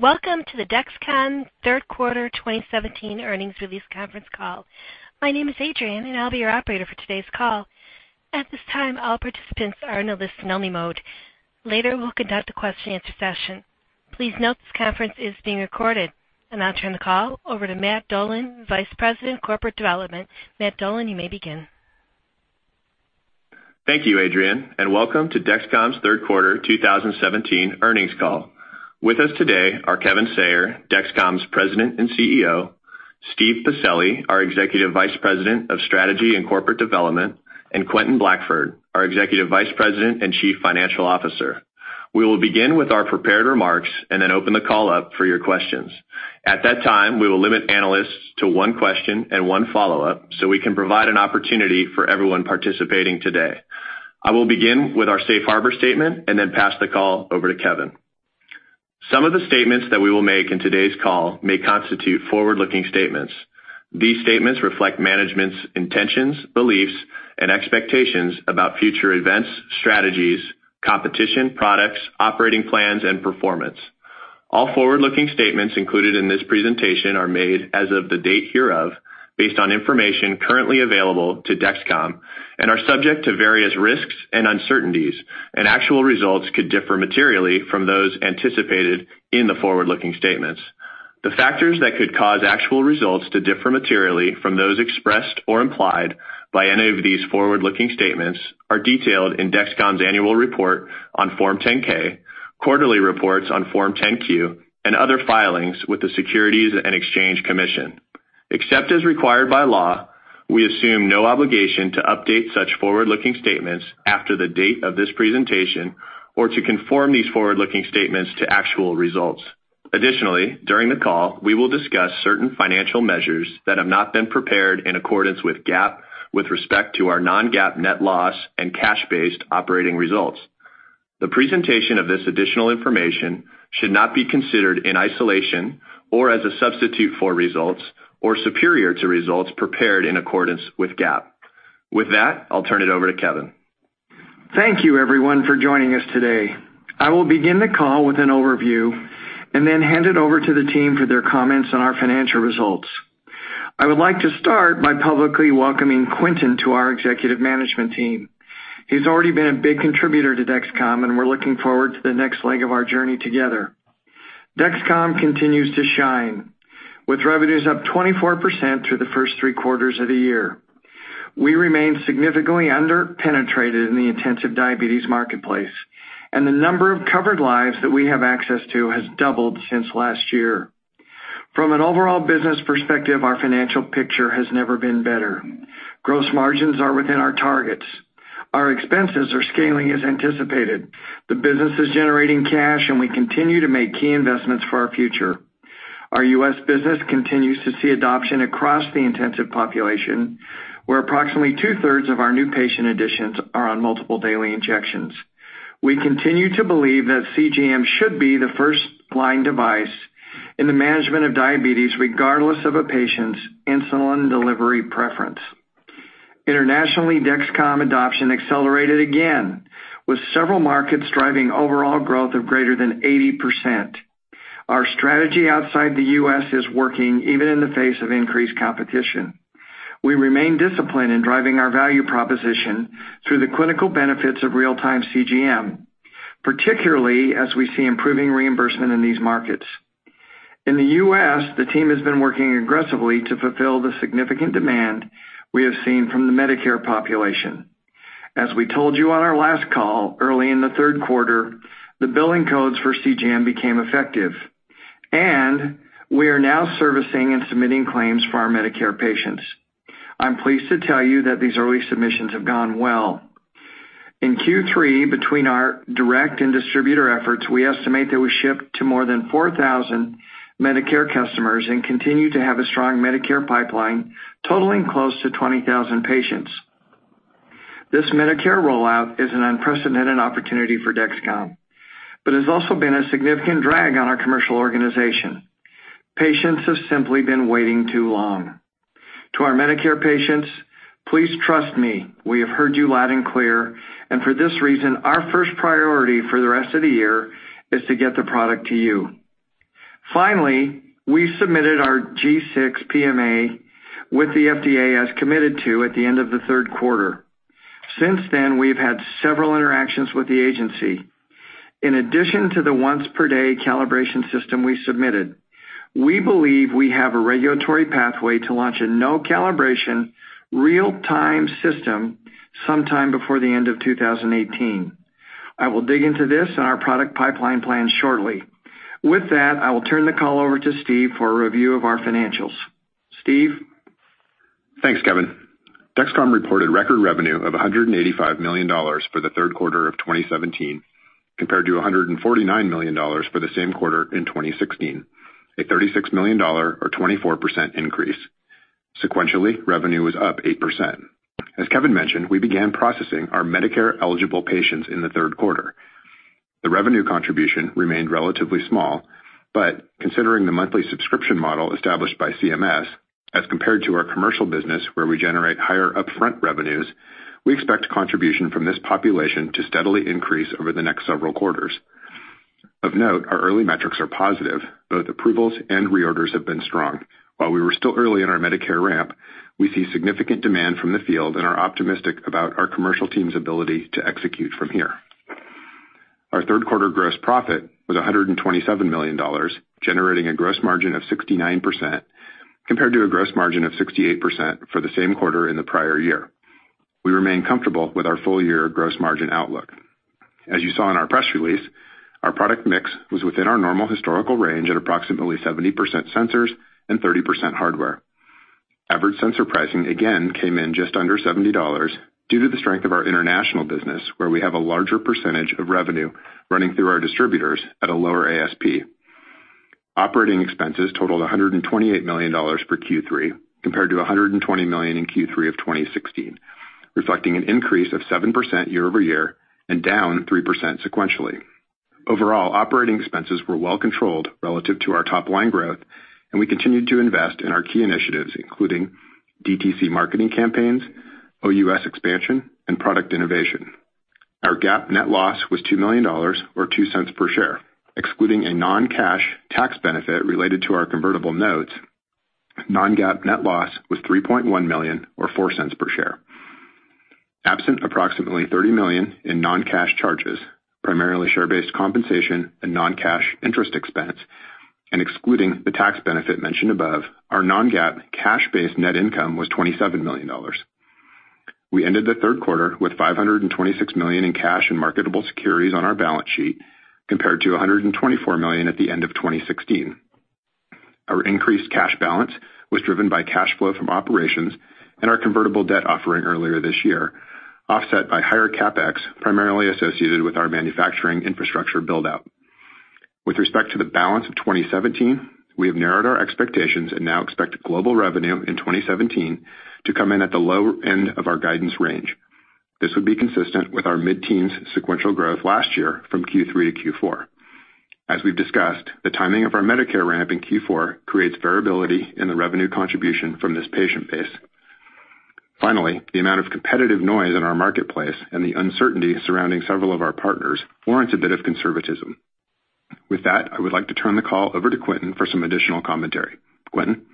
Welcome to the Dexcom Third Quarter 2017 Earnings Release Conference Call. My name is Adrienne, and I'll be your operator for today's call. At this time, all participants are in a listen-only mode. Later, we'll conduct a question-and-answer session. Please note this conference is being recorded. I'll turn the call over to Matt Dolan, Vice President, Corporate Development. Matt Dolan, you may begin. Thank you, Adrienne, and welcome to Dexcom's Third Quarter 2017 earnings call. With us today are Kevin Sayer, Dexcom's President and CEO, Steven Pacelli, our Executive Vice President of Strategy and Corporate Development, and Quentin Blackford, our Executive Vice President and Chief Financial Officer. We will begin with our prepared remarks and then open the call up for your questions. At that time, we will limit analysts to one question and one follow-up so we can provide an opportunity for everyone participating today. I will begin with our safe harbor statement and then pass the call over to Kevin. Some of the statements that we will make in today's call may constitute forward-looking statements. These statements reflect management's intentions, beliefs, and expectations about future events, strategies, competition, products, operating plans, and performance. All forward-looking statements included in this presentation are made as of the date hereof based on information currently available to Dexcom and are subject to various risks and uncertainties, and actual results could differ materially from those anticipated in the forward-looking statements. The factors that could cause actual results to differ materially from those expressed or implied by any of these forward-looking statements are detailed in Dexcom's annual report on Form 10-K, quarterly reports on Form 10-Q, and other filings with the Securities and Exchange Commission. Except as required by law, we assume no obligation to update such forward-looking statements after the date of this presentation or to conform these forward-looking statements to actual results. Additionally, during the call, we will discuss certain financial measures that have not been prepared in accordance with GAAP with respect to our non-GAAP net loss and cash-based operating results. The presentation of this additional information should not be considered in isolation or as a substitute for results or superior to results prepared in accordance with GAAP. With that, I'll turn it over to Kevin. Thank you, everyone, for joining us today. I will begin the call with an overview and then hand it over to the team for their comments on our financial results. I would like to start by publicly welcoming Quentin to our executive management team. He's already been a big contributor to Dexcom, and we're looking forward to the next leg of our journey together. Dexcom continues to shine, with revenues up 24% through the first three quarters of the year. We remain significantly under-penetrated in the intensive diabetes marketplace, and the number of covered lives that we have access to has doubled since last year. From an overall business perspective, our financial picture has never been better. Gross margins are within our targets. Our expenses are scaling as anticipated. The business is generating cash, and we continue to make key investments for our future. Our U.S. business continues to see adoption across the intensive population, where approximately two-thirds of our new patient additions are on multiple daily injections. We continue to believe that CGM should be the first line device in the management of diabetes, regardless of a patient's insulin delivery preference. Internationally, Dexcom adoption accelerated again, with several markets driving overall growth of greater than 80%. Our strategy outside the U.S. is working even in the face of increased competition. We remain disciplined in driving our value proposition through the clinical benefits of real-time CGM, particularly as we see improving reimbursement in these markets. In the U.S., the team has been working aggressively to fulfill the significant demand we have seen from the Medicare population. As we told you on our last call, early in the third quarter, the billing codes for CGM became effective, and we are now servicing and submitting claims for our Medicare patients. I'm pleased to tell you that these early submissions have gone well. In Q3, between our direct and distributor efforts, we estimate that we shipped to more than 4,000 Medicare customers and continue to have a strong Medicare pipeline totaling close to 20,000 patients. This Medicare rollout is an unprecedented opportunity for Dexcom, but it's also been a significant drag on our commercial organization. Patients have simply been waiting too long. To our Medicare patients, please trust me, we have heard you loud and clear, and for this reason, our first priority for the rest of the year is to get the product to you. Finally, we submitted our G6 PMA with the FDA as committed to at the end of the third quarter. Since then, we've had several interactions with the agency. In addition to the once-per-day calibration system we submitted, we believe we have a regulatory pathway to launch a no-calibration real-time system sometime before the end of 2018. I will dig into this in our product pipeline plan shortly. With that, I will turn the call over to Steve for a review of our financials. Steve? Thanks, Kevin. Dexcom reported record revenue of $185 million for the third quarter of 2017, compared to $149 million for the same quarter in 2016, a $36 million or 24% increase. Sequentially, revenue was up 8%. As Kevin mentioned, we began processing our Medicare-eligible patients in the third quarter. The revenue contribution remained relatively small, but considering the monthly subscription model established by CMS. As compared to our commercial business, where we generate higher upfront revenues, we expect contribution from this population to steadily increase over the next several quarters. Of note, our early metrics are positive. Both approvals and reorders have been strong. While we were still early in our Medicare ramp, we see significant demand from the field and are optimistic about our commercial team's ability to execute from here. Our third quarter gross profit was $127 million, generating a gross margin of 69% compared to a gross margin of 68% for the same quarter in the prior year. We remain comfortable with our full year gross margin outlook. As you saw in our press release, our product mix was within our normal historical range at approximately 70% sensors and 30% hardware. Average sensor pricing again came in just under $70 due to the strength of our international business, where we have a larger percentage of revenue running through our distributors at a lower ASP. Operating expenses totaled $128 million for Q3, compared to $120 million in Q3 of 2016, reflecting an increase of 7% year-over-year and down 3% sequentially. Overall, operating expenses were well controlled relative to our top-line growth, and we continued to invest in our key initiatives, including DTC marketing campaigns, OUS expansion, and product innovation. Our GAAP net loss was $2 million or $0.02 per share. Excluding a non-cash tax benefit related to our convertible notes, non-GAAP net loss was $3.1 million or $0.04 per share. Absent approximately $30 million in non-cash charges, primarily share-based compensation and non-cash interest expense, and excluding the tax benefit mentioned above, our non-GAAP cash-based net income was $27 million. We ended the third quarter with $526 million in cash and marketable securities on our balance sheet, compared to $124 million at the end of 2016. Our increased cash balance was driven by cash flow from operations and our convertible debt offering earlier this year, offset by higher CapEx, primarily associated with our manufacturing infrastructure build-out. With respect to the balance of 2017, we have narrowed our expectations and now expect global revenue in 2017 to come in at the lower end of our guidance range. This would be consistent with our mid-teens sequential growth last year from Q3 to Q4. As we've discussed, the timing of our Medicare ramp in Q4 creates variability in the revenue contribution from this patient base. Finally, the amount of competitive noise in our marketplace and the uncertainty surrounding several of our partners warrants a bit of conservatism. With that, I would like to turn the call over to Quentin for some additional commentary. Quentin?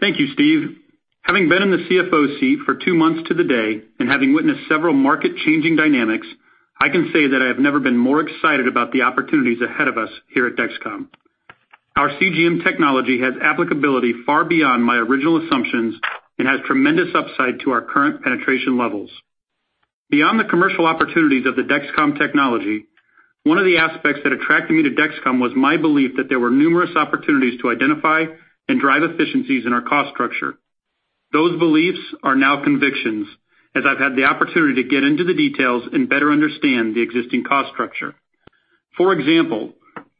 Thank you, Steve. Having been in the CFO seat for two months to the day and having witnessed several market-changing dynamics, I can say that I have never been more excited about the opportunities ahead of us here at Dexcom. Our CGM technology has applicability far beyond my original assumptions and has tremendous upside to our current penetration levels. Beyond the commercial opportunities of the Dexcom technology, one of the aspects that attracted me to Dexcom was my belief that there were numerous opportunities to identify and drive efficiencies in our cost structure. Those beliefs are now convictions, as I've had the opportunity to get into the details and better understand the existing cost structure. For example,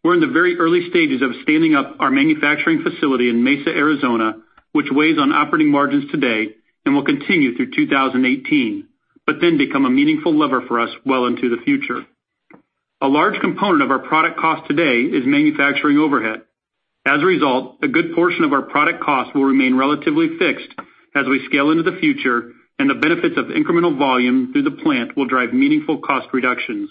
we're in the very early stages of standing up our manufacturing facility in Mesa, Arizona, which weighs on operating margins today and will continue through 2018, but then become a meaningful lever for us well into the future. A large component of our product cost today is manufacturing overhead. As a result, a good portion of our product cost will remain relatively fixed as we scale into the future, and the benefits of incremental volume through the plant will drive meaningful cost reductions.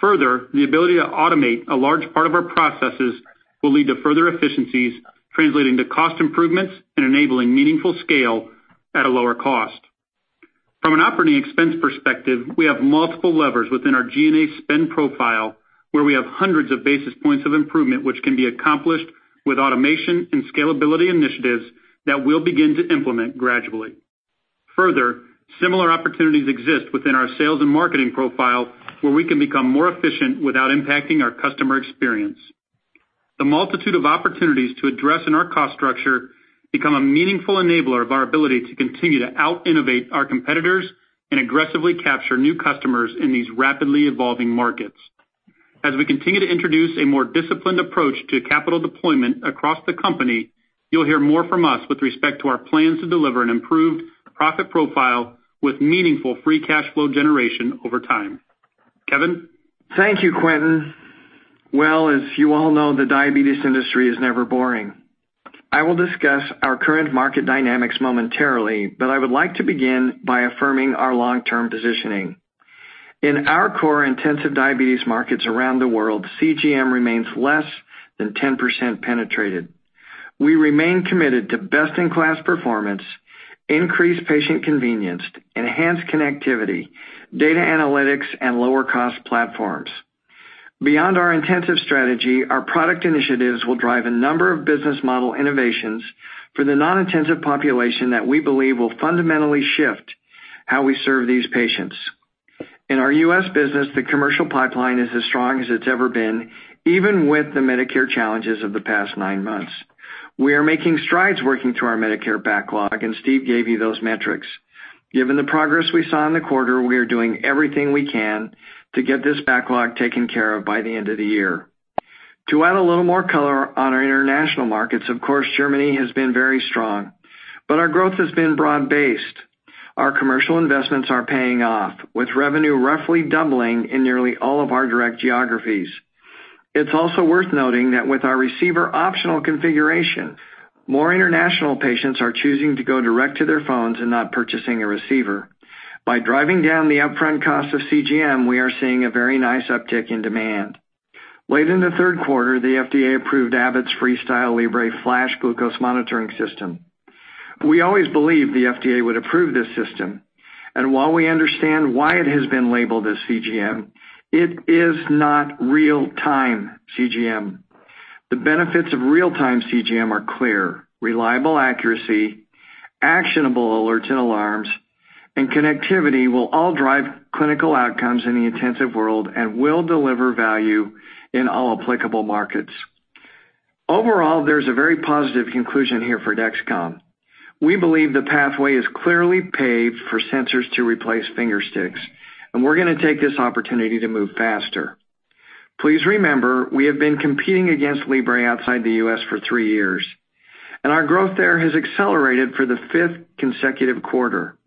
Further, the ability to automate a large part of our processes will lead to further efficiencies, translating to cost improvements and enabling meaningful scale at a lower cost. From an operating expense perspective, we have multiple levers within our G&A spend profile where we have hundreds of basis points of improvement, which can be accomplished with automation and scalability initiatives that we'll begin to implement gradually. Further, similar opportunities exist within our sales and marketing profile, where we can become more efficient without impacting our customer experience. The multitude of opportunities to address in our cost structure become a meaningful enabler of our ability to continue to out-innovate our competitors and aggressively capture new customers in these rapidly evolving markets. As we continue to introduce a more disciplined approach to capital deployment across the company, you'll hear more from us with respect to our plans to deliver an improved profit profile with meaningful free cash flow generation over time. Kevin? Thank you, Quentin. Well, as you all know, the diabetes industry is never boring. I will discuss our current market dynamics momentarily, but I would like to begin by affirming our long-term positioning. In our core intensive diabetes markets around the world, CGM remains less than 10% penetrated. We remain committed to best-in-class performance, increased patient convenience, enhanced connectivity, data analytics, and lower-cost platforms. Beyond our intensive strategy, our product initiatives will drive a number of business model innovations for the non-intensive population that we believe will fundamentally shift how we serve these patients. In our U.S. business, the commercial pipeline is as strong as it's ever been, even with the Medicare challenges of the past nine months. We are making strides working through our Medicare backlog, and Steve gave you those metrics. Given the progress we saw in the quarter, we are doing everything we can to get this backlog taken care of by the end of the year. To add a little more color on our international markets, of course, Germany has been very strong, but our growth has been broad-based. Our commercial investments are paying off, with revenue roughly doubling in nearly all of our direct geographies. It's also worth noting that with our receiver optional configuration, more international patients are choosing to go direct to their phones and not purchasing a receiver. By driving down the upfront cost of CGM, we are seeing a very nice uptick in demand. Late in the third quarter, the FDA approved Abbott's FreeStyle Libre Flash Glucose Monitoring System. We always believed the FDA would approve this system, and while we understand why it has been labeled as CGM, it is not real-time CGM. The benefits of real-time CGM are clear. Reliable accuracy, actionable alerts and alarms, and connectivity will all drive clinical outcomes in the intensive world and will deliver value in all applicable markets. Overall, there's a very positive conclusion here for Dexcom. We believe the pathway is clearly paved for sensors to replace finger sticks, and we're gonna take this opportunity to move faster. Please remember, we have been competing against Libre outside the U.S. for three years, and our growth there has accelerated for the fifth consecutive quarter.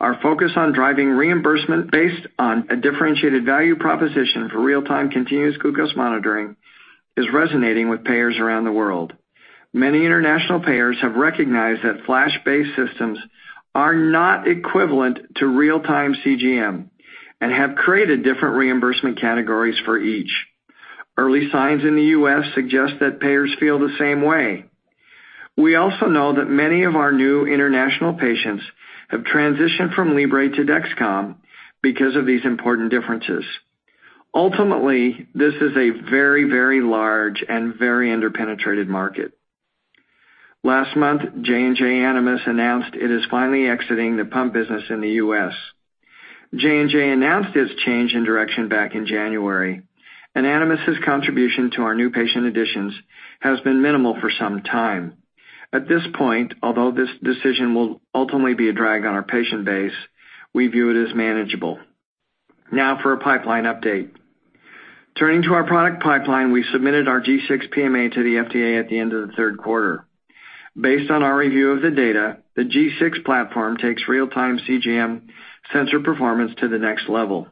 Our focus on driving reimbursement based on a differentiated value proposition for real-time continuous glucose monitoring is resonating with payers around the world. Many international payers have recognized that flash-based systems are not equivalent to real-time CGM and have created different reimbursement categories for each. Early signs in the U.S. suggest that payers feel the same way. We also know that many of our new international patients have transitioned from Libre to Dexcom because of these important differences. Ultimately, this is a very, very large and very under-penetrated market. Last month, J&J/Animas announced it is finally exiting the pump business in the U.S. J&J announced its change in direction back in January, and Animas' contribution to our new patient additions has been minimal for some time. At this point, although this decision will ultimately be a drag on our patient base, we view it as manageable. Now for a pipeline update. Turning to our product pipeline, we submitted our G6 PMA to the FDA at the end of the third quarter. Based on our review of the data, the G6 platform takes real-time CGM sensor performance to the next level,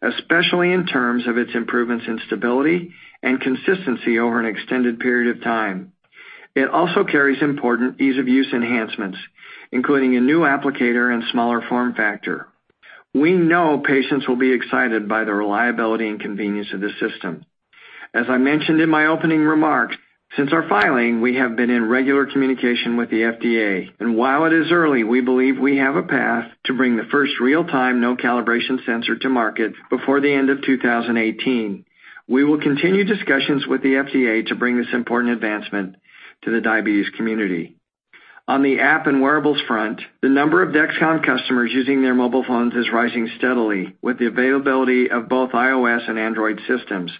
especially in terms of its improvements in stability and consistency over an extended period of time. It also carries important ease-of-use enhancements, including a new applicator and smaller form factor. We know patients will be excited by the reliability and convenience of this system. As I mentioned in my opening remarks, since our filing, we have been in regular communication with the FDA, and while it is early, we believe we have a path to bring the first real-time, no calibration sensor to market before the end of 2018. We will continue discussions with the FDA to bring this important advancement to the diabetes community. On the app and wearables front, the number of Dexcom customers using their mobile phones is rising steadily with the availability of both iOS and Android systems.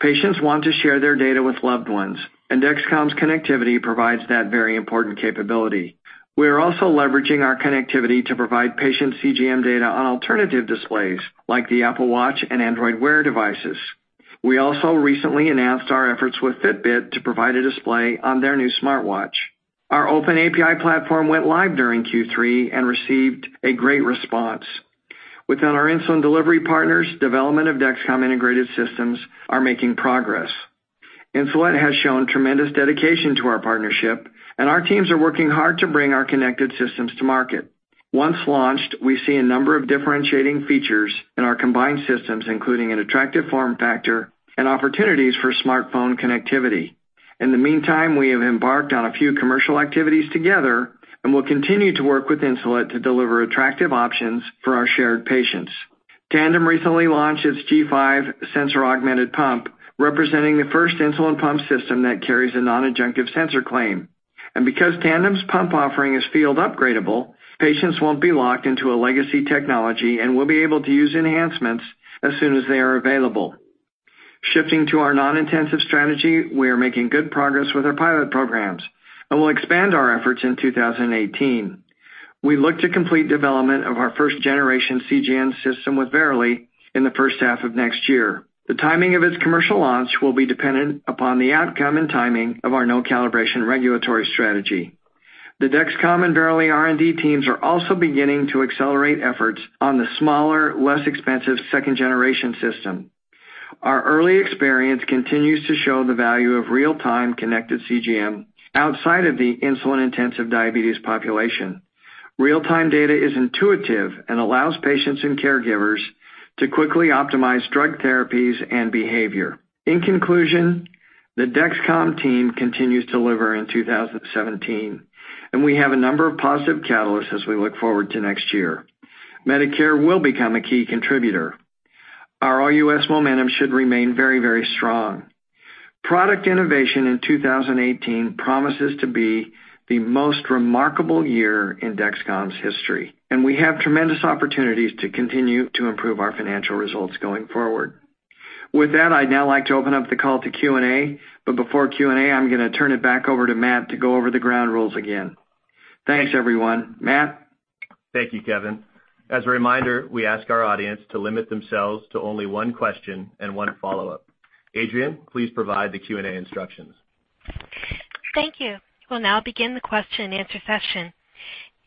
Patients want to share their data with loved ones, and Dexcom's connectivity provides that very important capability. We are also leveraging our connectivity to provide patient CGM data on alternative displays, like the Apple Watch and Android Wear devices. We also recently announced our efforts with Fitbit to provide a display on their new smartwatch. Our open API platform went live during Q3 and received a great response. Within our insulin delivery partners, development of Dexcom integrated systems are making progress. Insulet has shown tremendous dedication to our partnership, and our teams are working hard to bring our connected systems to market. Once launched, we see a number of differentiating features in our combined systems, including an attractive form factor and opportunities for smartphone connectivity. In the meantime, we have embarked on a few commercial activities together and will continue to work with Insulet to deliver attractive options for our shared patients. Tandem recently launched its G5 sensor augmented pump, representing the first insulin pump system that carries a non-adjunctive sensor claim. Because Tandem's pump offering is field upgradable, patients won't be locked into a legacy technology and will be able to use enhancements as soon as they are available. Shifting to our non-intensive strategy, we are making good progress with our pilot programs and will expand our efforts in 2018. We look to complete development of our first-generation CGM system with Verily in the first half of next year. The timing of its commercial launch will be dependent upon the outcome and timing of our no-calibration regulatory strategy. The Dexcom and Verily R&D teams are also beginning to accelerate efforts on the smaller, less expensive second generation system. Our early experience continues to show the value of real-time connected CGM outside of the insulin-intensive diabetes population. Real-time data is intuitive and allows patients and caregivers to quickly optimize drug therapies and behavior. In conclusion, the Dexcom team continues to deliver in 2017, and we have a number of positive catalysts as we look forward to next year. Medicare will become a key contributor. Our U.S. momentum should remain very, very strong. Product innovation in 2018 promises to be the most remarkable year in Dexcom's history, and we have tremendous opportunities to continue to improve our financial results going forward. With that, I'd now like to open up the call to Q&A. Before Q&A, I'm gonna turn it back over to Matt to go over the ground rules again. Thanks, everyone. Matt? Thank you, Kevin. As a reminder, we ask our audience to limit themselves to only one question and one follow-up. Adrienne, please provide the Q&A instructions. Thank you. We'll now begin the question-and-answer session.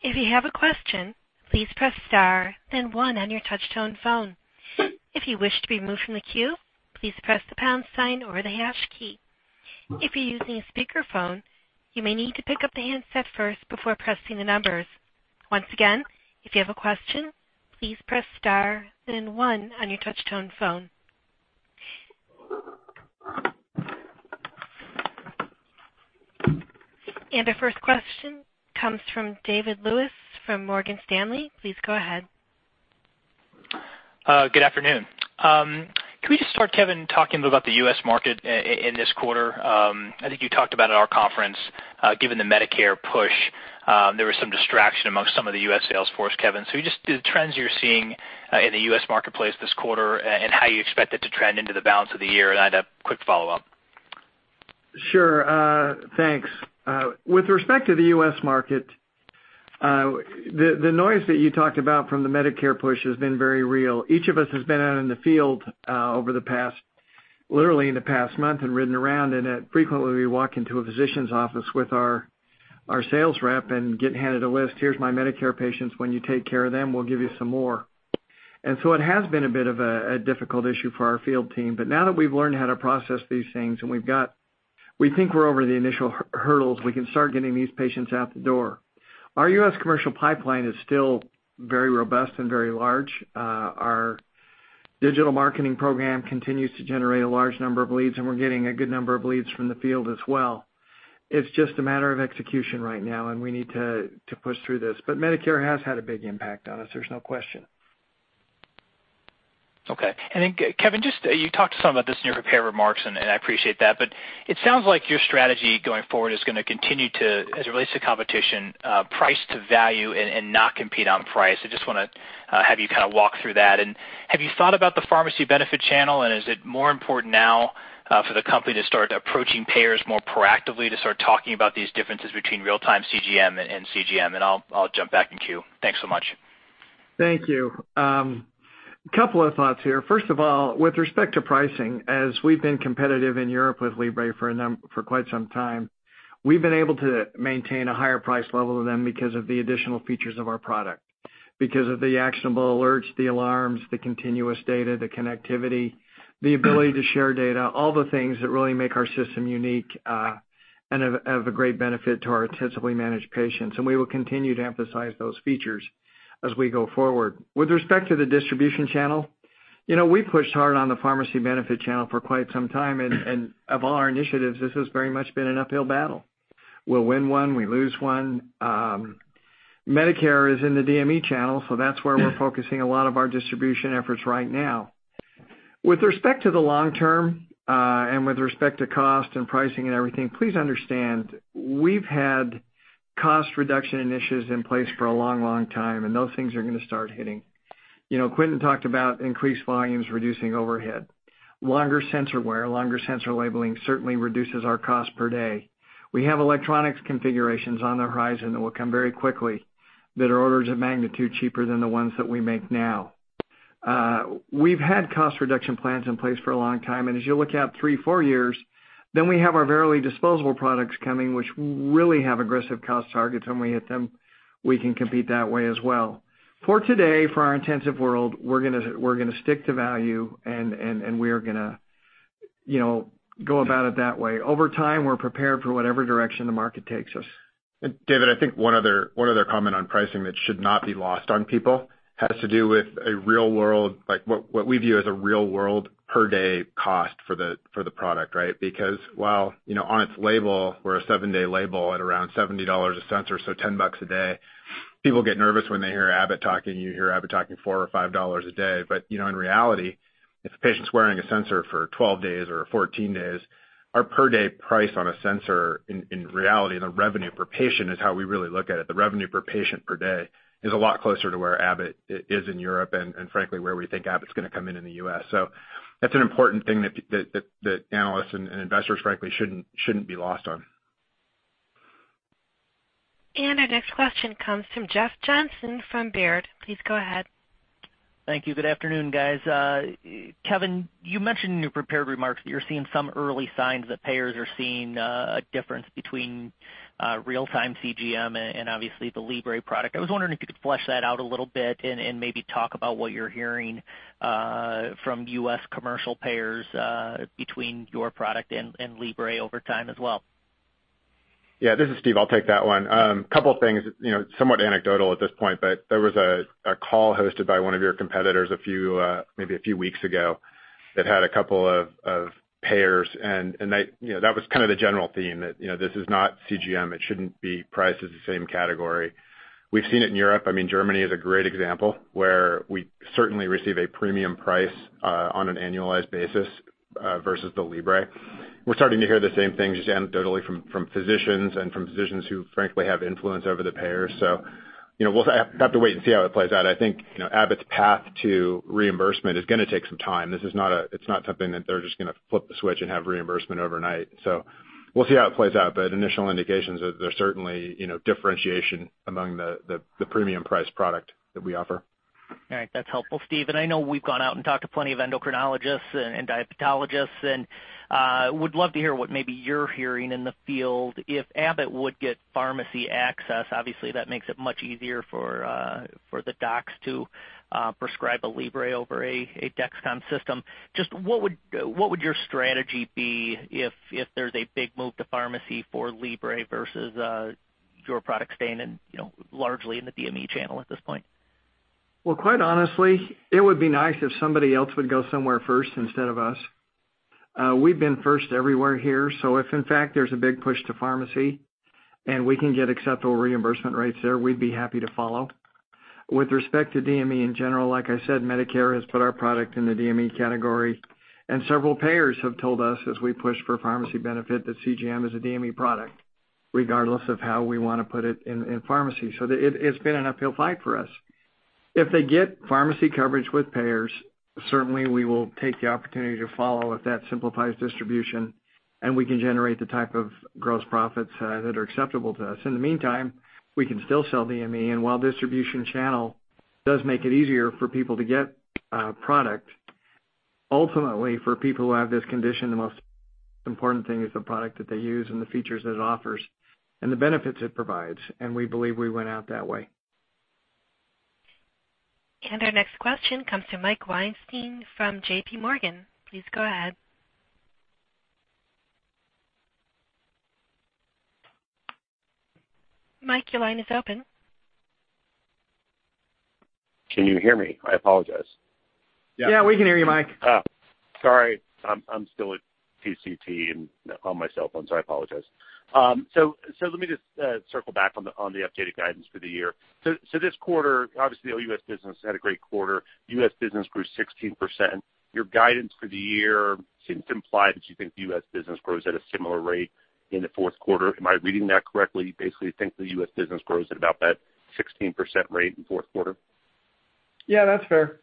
If you have a question, please press star then one on your touch-tone phone. If you wish to be removed from the queue, please press the pound sign or the hash key. If you're using a speakerphone, you may need to pick up the handset first before pressing the numbers. Once again, if you have a question, please press star then one on your touch-tone phone. Our first question comes from David Lewis from Morgan Stanley. Please go ahead. Good afternoon. Can we just start, Kevin, talking about the U.S. market in this quarter? I think you talked about at our conference, given the Medicare push, there was some distraction amongst some of the U.S. sales force, Kevin. Just the trends you're seeing in the U.S. marketplace this quarter and how you expect it to trend into the balance of the year? I had a quick follow-up. Sure. Thanks. With respect to the U.S. market, the noise that you talked about from the Medicare push has been very real. Each of us has been out in the field, literally in the past month and ridden around, and, frequently we walk into a physician's office with our sales rep and get handed a list. "Here's my Medicare patients. When you take care of them, we'll give you some more." It has been a bit of a difficult issue for our field team. Now that we've learned how to process these things and we've got. We think we're over the initial hurdles, we can start getting these patients out the door. Our U.S. commercial pipeline is still very robust and very large. Our digital marketing program continues to generate a large number of leads, and we're getting a good number of leads from the field as well. It's just a matter of execution right now, and we need to push through this. Medicare has had a big impact on us, there's no question. Okay. Kevin, just, you talked some about this in your prepared remarks, and I appreciate that, but it sounds like your strategy going forward is gonna continue to, as it relates to competition, price to value and not compete on price. I just wanna have you kind of walk through that. Have you thought about the pharmacy benefit channel, and is it more important now for the company to start approaching payers more proactively to start talking about these differences between real-time CGM and CGM? I'll jump back in queue. Thanks so much. Thank you. A couple of thoughts here. First of all, with respect to pricing, as we've been competitive in Europe with Libre for quite some time, we've been able to maintain a higher price level than them because of the additional features of our product. Because of the actionable alerts, the alarms, the continuous data, the connectivity, the ability to share data, all the things that really make our system unique, and of a great benefit to our intensively managed patients. We will continue to emphasize those features as we go forward. With respect to the distribution channel, you know, we pushed hard on the pharmacy benefit channel for quite some time, and of all our initiatives, this has very much been an uphill battle. We'll win one, we lose one. Medicare is in the DME channel, so that's where we're focusing a lot of our distribution efforts right now. With respect to the long term, and with respect to cost and pricing and everything, please understand, we've had cost reduction initiatives in place for a long, long time, and those things are gonna start hitting. You know, Quentin talked about increased volumes reducing overhead. Longer sensor wear, longer sensor labeling certainly reduces our cost per day. We have electronics configurations on the horizon that will come very quickly that are orders of magnitude cheaper than the ones that we make now. We've had cost reduction plans in place for a long time, and as you look out three, four years, then we have our Verily disposable products coming, which really have aggressive cost targets. When we hit them, we can compete that way as well. For today, for our investment world, we're gonna stick to value and we are gonna, you know, go about it that way. Over time, we're prepared for whatever direction the market takes us. David, I think one other comment on pricing that should not be lost on people has to do with a real-world, what we view as a real-world per-day cost for the product, right? Because while, you know, on its label, we're a seven-day label at around $70 a sensor, so $10 a day. People get nervous when they hear Abbott talking, you hear Abbott talking $4 or $5 a day. But you know, in reality, if a patient's wearing a sensor for 12 days or 14 days, our per-day price on a sensor in reality, the revenue per patient is how we really look at it. The revenue per patient per day is a lot closer to where Abbott is in Europe and frankly, where we think Abbott's gonna come in in the U.S. That's an important thing that analysts and investors frankly shouldn't be lost on. Our next question comes from Jeff Johnson from Baird. Please go ahead. Thank you. Good afternoon, guys. Kevin, you mentioned in your prepared remarks that you're seeing some early signs that payers are seeing a difference between real-time CGM and obviously the Libre product. I was wondering if you could flesh that out a little bit and maybe talk about what you're hearing from U.S. commercial payers between your product and Libre over time as well? Yeah, this is Steve. I'll take that one. Couple things, you know, somewhat anecdotal at this point, but there was a call hosted by one of your competitors maybe a few weeks ago that had a couple of payers. You know, that was kind of the general theme that, you know, this is not CGM. It shouldn't be priced as the same category. We've seen it in Europe. I mean, Germany is a great example where we certainly receive a premium price on an annualized basis versus the Libre. We're starting to hear the same things just anecdotally from physicians and from physicians who frankly have influence over the payers. You know, we'll have to wait and see how it plays out. I think, you know, Abbott's path to reimbursement is gonna take some time. It's not something that they're just gonna flip the switch and have reimbursement overnight. We'll see how it plays out. Initial indications are there's certainly, you know, differentiation among the premium price product that we offer. All right. That's helpful, Steve. I know we've gone out and talked to plenty of endocrinologists and diabetologists, and would love to hear what maybe you're hearing in the field. If Abbott would get pharmacy access, obviously that makes it much easier for the docs to prescribe a Libre over a Dexcom system. Just what would your strategy be if there's a big move to pharmacy for Libre versus your product staying in, you know, largely in the DME channel at this point? Well, quite honestly, it would be nice if somebody else would go somewhere first instead of us. We've been first everywhere here. If in fact there's a big push to pharmacy and we can get acceptable reimbursement rates there, we'd be happy to follow. With respect to DME in general, like I said, Medicare has put our product in the DME category, and several payers have told us as we push for pharmacy benefit that CGM is a DME product regardless of how we wanna put it in pharmacy. It's been an uphill fight for us. If they get pharmacy coverage with payers, certainly we will take the opportunity to follow if that simplifies distribution and we can generate the type of gross profits that are acceptable to us. In the meantime, we can still sell DME. While distribution channel does make it easier for people to get product, ultimately for people who have this condition, the most important thing is the product that they use and the features that it offers and the benefits it provides. We believe we win out that way. Our next question comes from Mike Weinstein from JPMorgan. Please go ahead. Mike, your line is open. Can you hear me? I apologize. Yeah, we can hear you, Mike. Sorry. I'm still at TCT and on my cell phone, so I apologize. Let me just circle back on the updated guidance for the year. This quarter, obviously all U.S. business had a great quarter. U.S. business grew 16%. Your guidance for the year seems to imply that you think the U.S. business grows at a similar rate in the fourth quarter. Am I reading that correctly? Basically, you think the U.S. business grows at about that 16% rate in fourth quarter? Yeah, that's fair.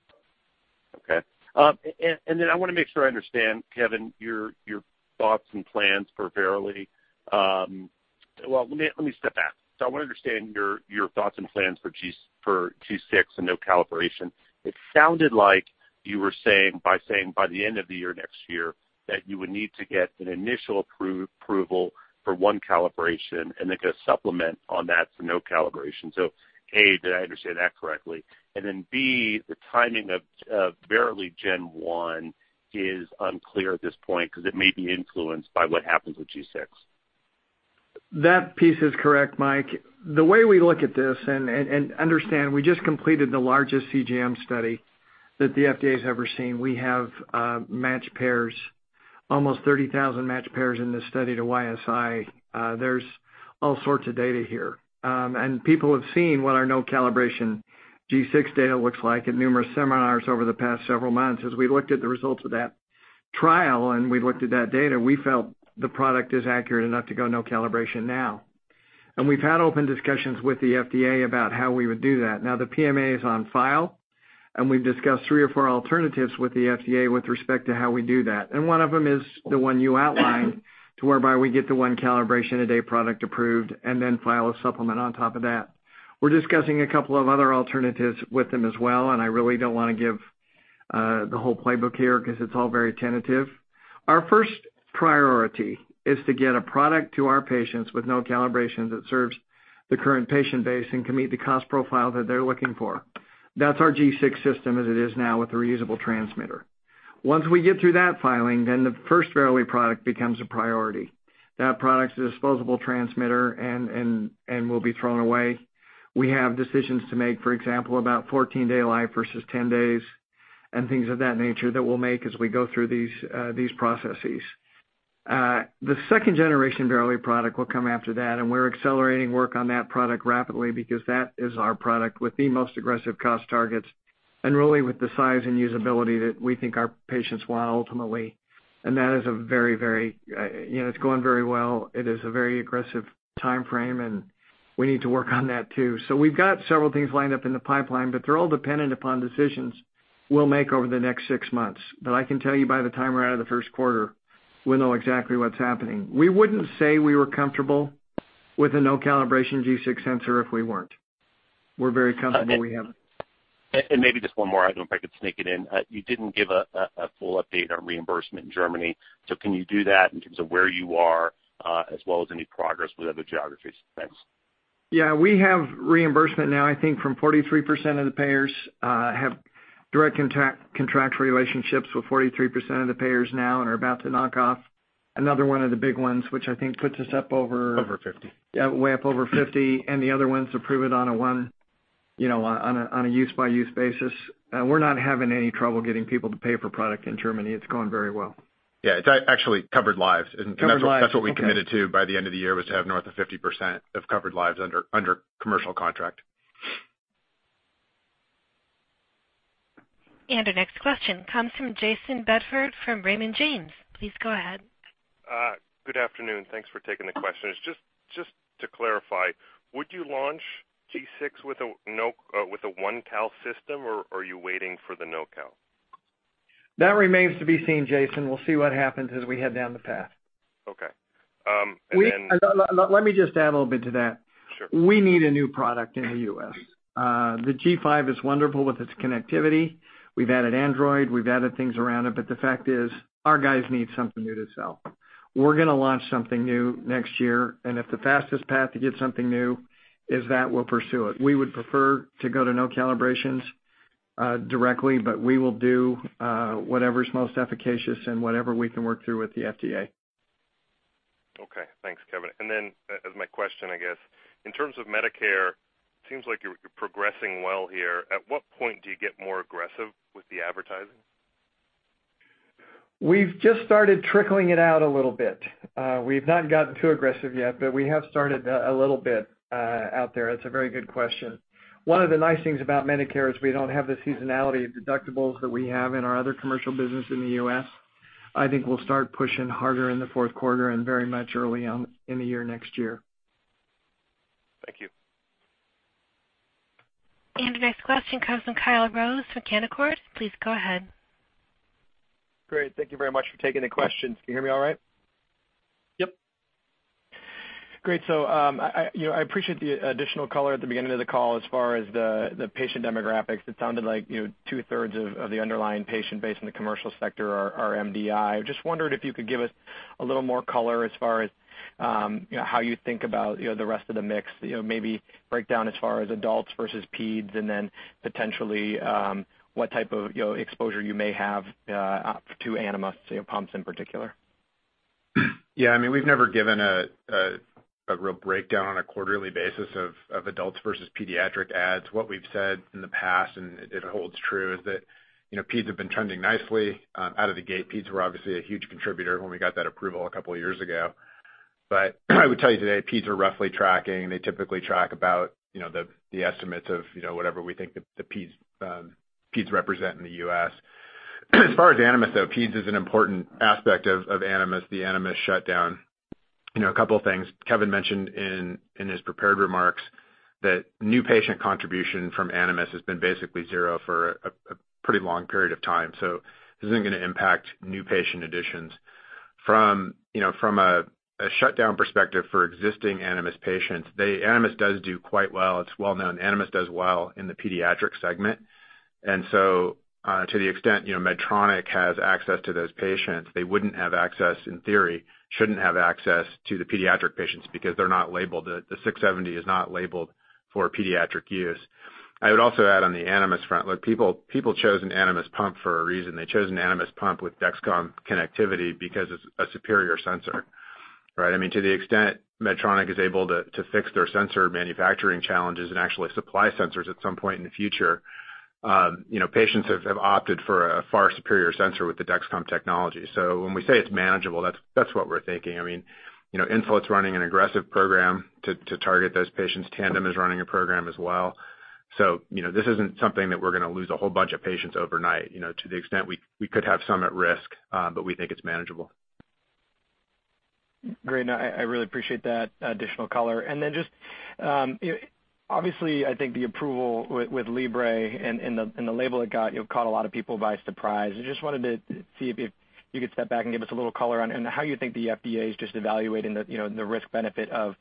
Okay. I want to make sure I understand, Kevin, your thoughts and plans for Verily. Well, let me step back. I want to understand your thoughts and plans for G6 and no calibration. It sounded like you were saying by the end of the year next year that you would need to get an initial approval for one calibration and then get a supplement on that for no calibration. A, did I understand that correctly? B, the timing of Verily Gen 1 is unclear at this point because it may be influenced by what happens with G6. That piece is correct, Mike. The way we look at this and understand we just completed the largest CGM study that the FDA has ever seen. We have matched pairs, almost 30,000 matched pairs in this study to YSI. There's all sorts of data here. People have seen what our no calibration G6 data looks like at numerous seminars over the past several months. As we looked at the results of that trial and we looked at that data, we felt the product is accurate enough to go no calibration now. We've had open discussions with the FDA about how we would do that. Now the PMA is on file, and we've discussed three or four alternatives with the FDA with respect to how we do that. One of them is the one you outlined to whereby we get the one calibration a day product approved and then file a supplement on top of that. We're discussing a couple of other alternatives with them as well, and I really don't wanna give the whole playbook here 'cause it's all very tentative. Our first priority is to get a product to our patients with no calibrations that serves the current patient base and can meet the cost profile that they're looking for. That's our G6 system as it is now with the reusable transmitter. Once we get through that filing, then the first Verily product becomes a priority. That product is a disposable transmitter and will be thrown away. We have decisions to make, for example, about 14-day life versus 10 days and things of that nature that we'll make as we go through these processes. The second generation Verily product will come after that, and we're accelerating work on that product rapidly because that is our product with the most aggressive cost targets and really with the size and usability that we think our patients want ultimately. That is a very, you know, it's going very well. It is a very aggressive timeframe, and we need to work on that too. We've got several things lined up in the pipeline, but they're all dependent upon decisions we'll make over the next six months. I can tell you by the time we're out of the first quarter, we'll know exactly what's happening. We wouldn't say we were comfortable with a no calibration G6 sensor if we weren't. We're very comfortable we have it. Maybe just one more, I don't know if I could sneak it in. You didn't give a full update on reimbursement in Germany. Can you do that in terms of where you are, as well as any progress with other geographies? Thanks. Yeah. We have reimbursement now, I think from 43% of the payers, have contract relationships with 43% of the payers now and are about to knock off another one of the big ones, which I think puts us up over. Over 50. Yeah, way up over 50. The other ones approve it on a one, you know, on a use by use basis. We're not having any trouble getting people to pay for product in Germany. It's going very well. Yeah. It's actually covered lives. Covered lives. Okay. That's what we committed to by the end of the year, was to have north of 50% of covered lives under commercial contract. Our next question comes from Jayson Bedford from Raymond James. Please go ahead. Good afternoon. Thanks for taking the questions. Just to clarify, would you launch G6 with a one-cal system, or are you waiting for the no-cal? That remains to be seen, Jason. We'll see what happens as we head down the path. Okay. Let me just add a little bit to that. Sure. We need a new product in the U.S. The G5 is wonderful with its connectivity. We've added Android, we've added things around it, but the fact is our guys need something new to sell. We're gonna launch something new next year, and if the fastest path to get something new is that, we'll pursue it. We would prefer to go to no calibrations, directly, but we will do, whatever's most efficacious and whatever we can work through with the FDA. Okay. Thanks, Kevin. As my question, I guess, in terms of Medicare, seems like you're progressing well here. At what point do you get more aggressive with the advertising? We've just started trickling it out a little bit. We've not gotten too aggressive yet, but we have started a little bit out there. It's a very good question. One of the nice things about Medicare is we don't have the seasonality of deductibles that we have in our other commercial business in the U.S. I think we'll start pushing harder in the fourth quarter and very much early on in the year next year. Thank you. The next question comes from Kyle Rose from Canaccord. Please go ahead. Great. Thank you very much for taking the questions. Can you hear me all right? Yep. Great. I appreciate the additional color at the beginning of the call as far as the patient demographics. It sounded like two-thirds of the underlying patient base in the commercial sector are MDI. Just wondered if you could give us a little more color as far as how you think about the rest of the mix. Maybe break down as far as adults versus peds and then potentially what type of exposure you may have to Animas pumps in particular? Yeah. I mean, we've never given a real breakdown on a quarterly basis of adults versus pediatric adds. What we've said in the past, and it holds true, is that, you know, peds have been trending nicely out of the gate. Peds were obviously a huge contributor when we got that approval a couple of years ago. I would tell you today, peds are roughly tracking. They typically track about, you know, the estimates of, you know, whatever we think the peds represent in the U.S. As far as Animas, though, peds is an important aspect of Animas, the Animas shutdown. You know, a couple things Kevin mentioned in his prepared remarks that new patient contribution from Animas has been basically zero for a pretty long period of time. This isn't gonna impact new patient additions. From a shutdown perspective for existing Animas patients, Animas does do quite well. It's well known. Animas does well in the pediatric segment. To the extent, you know, Medtronic has access to those patients, they wouldn't have access, in theory, shouldn't have access to the pediatric patients because they're not labeled. The 670 is not labeled for pediatric use. I would also add on the Animas front, look, people chose an Animas pump for a reason. They chose an Animas pump with Dexcom connectivity because it's a superior sensor, right? I mean, to the extent Medtronic is able to fix their sensor manufacturing challenges and actually supply sensors at some point in the future, you know, patients have opted for a far superior sensor with the Dexcom technology. When we say it's manageable, that's what we're thinking. I mean, you know, Insulet's running an aggressive program to target those patients. Tandem is running a program as well. You know, this isn't something that we're gonna lose a whole bunch of patients overnight. You know, to the extent we could have some at risk, but we think it's manageable. Great. I really appreciate that additional color. Obviously, I think the approval with Libre and the label it got, you know, caught a lot of people by surprise. I just wanted to see if you could step back and give us a little color on how you think the FDA is evaluating the risk benefit of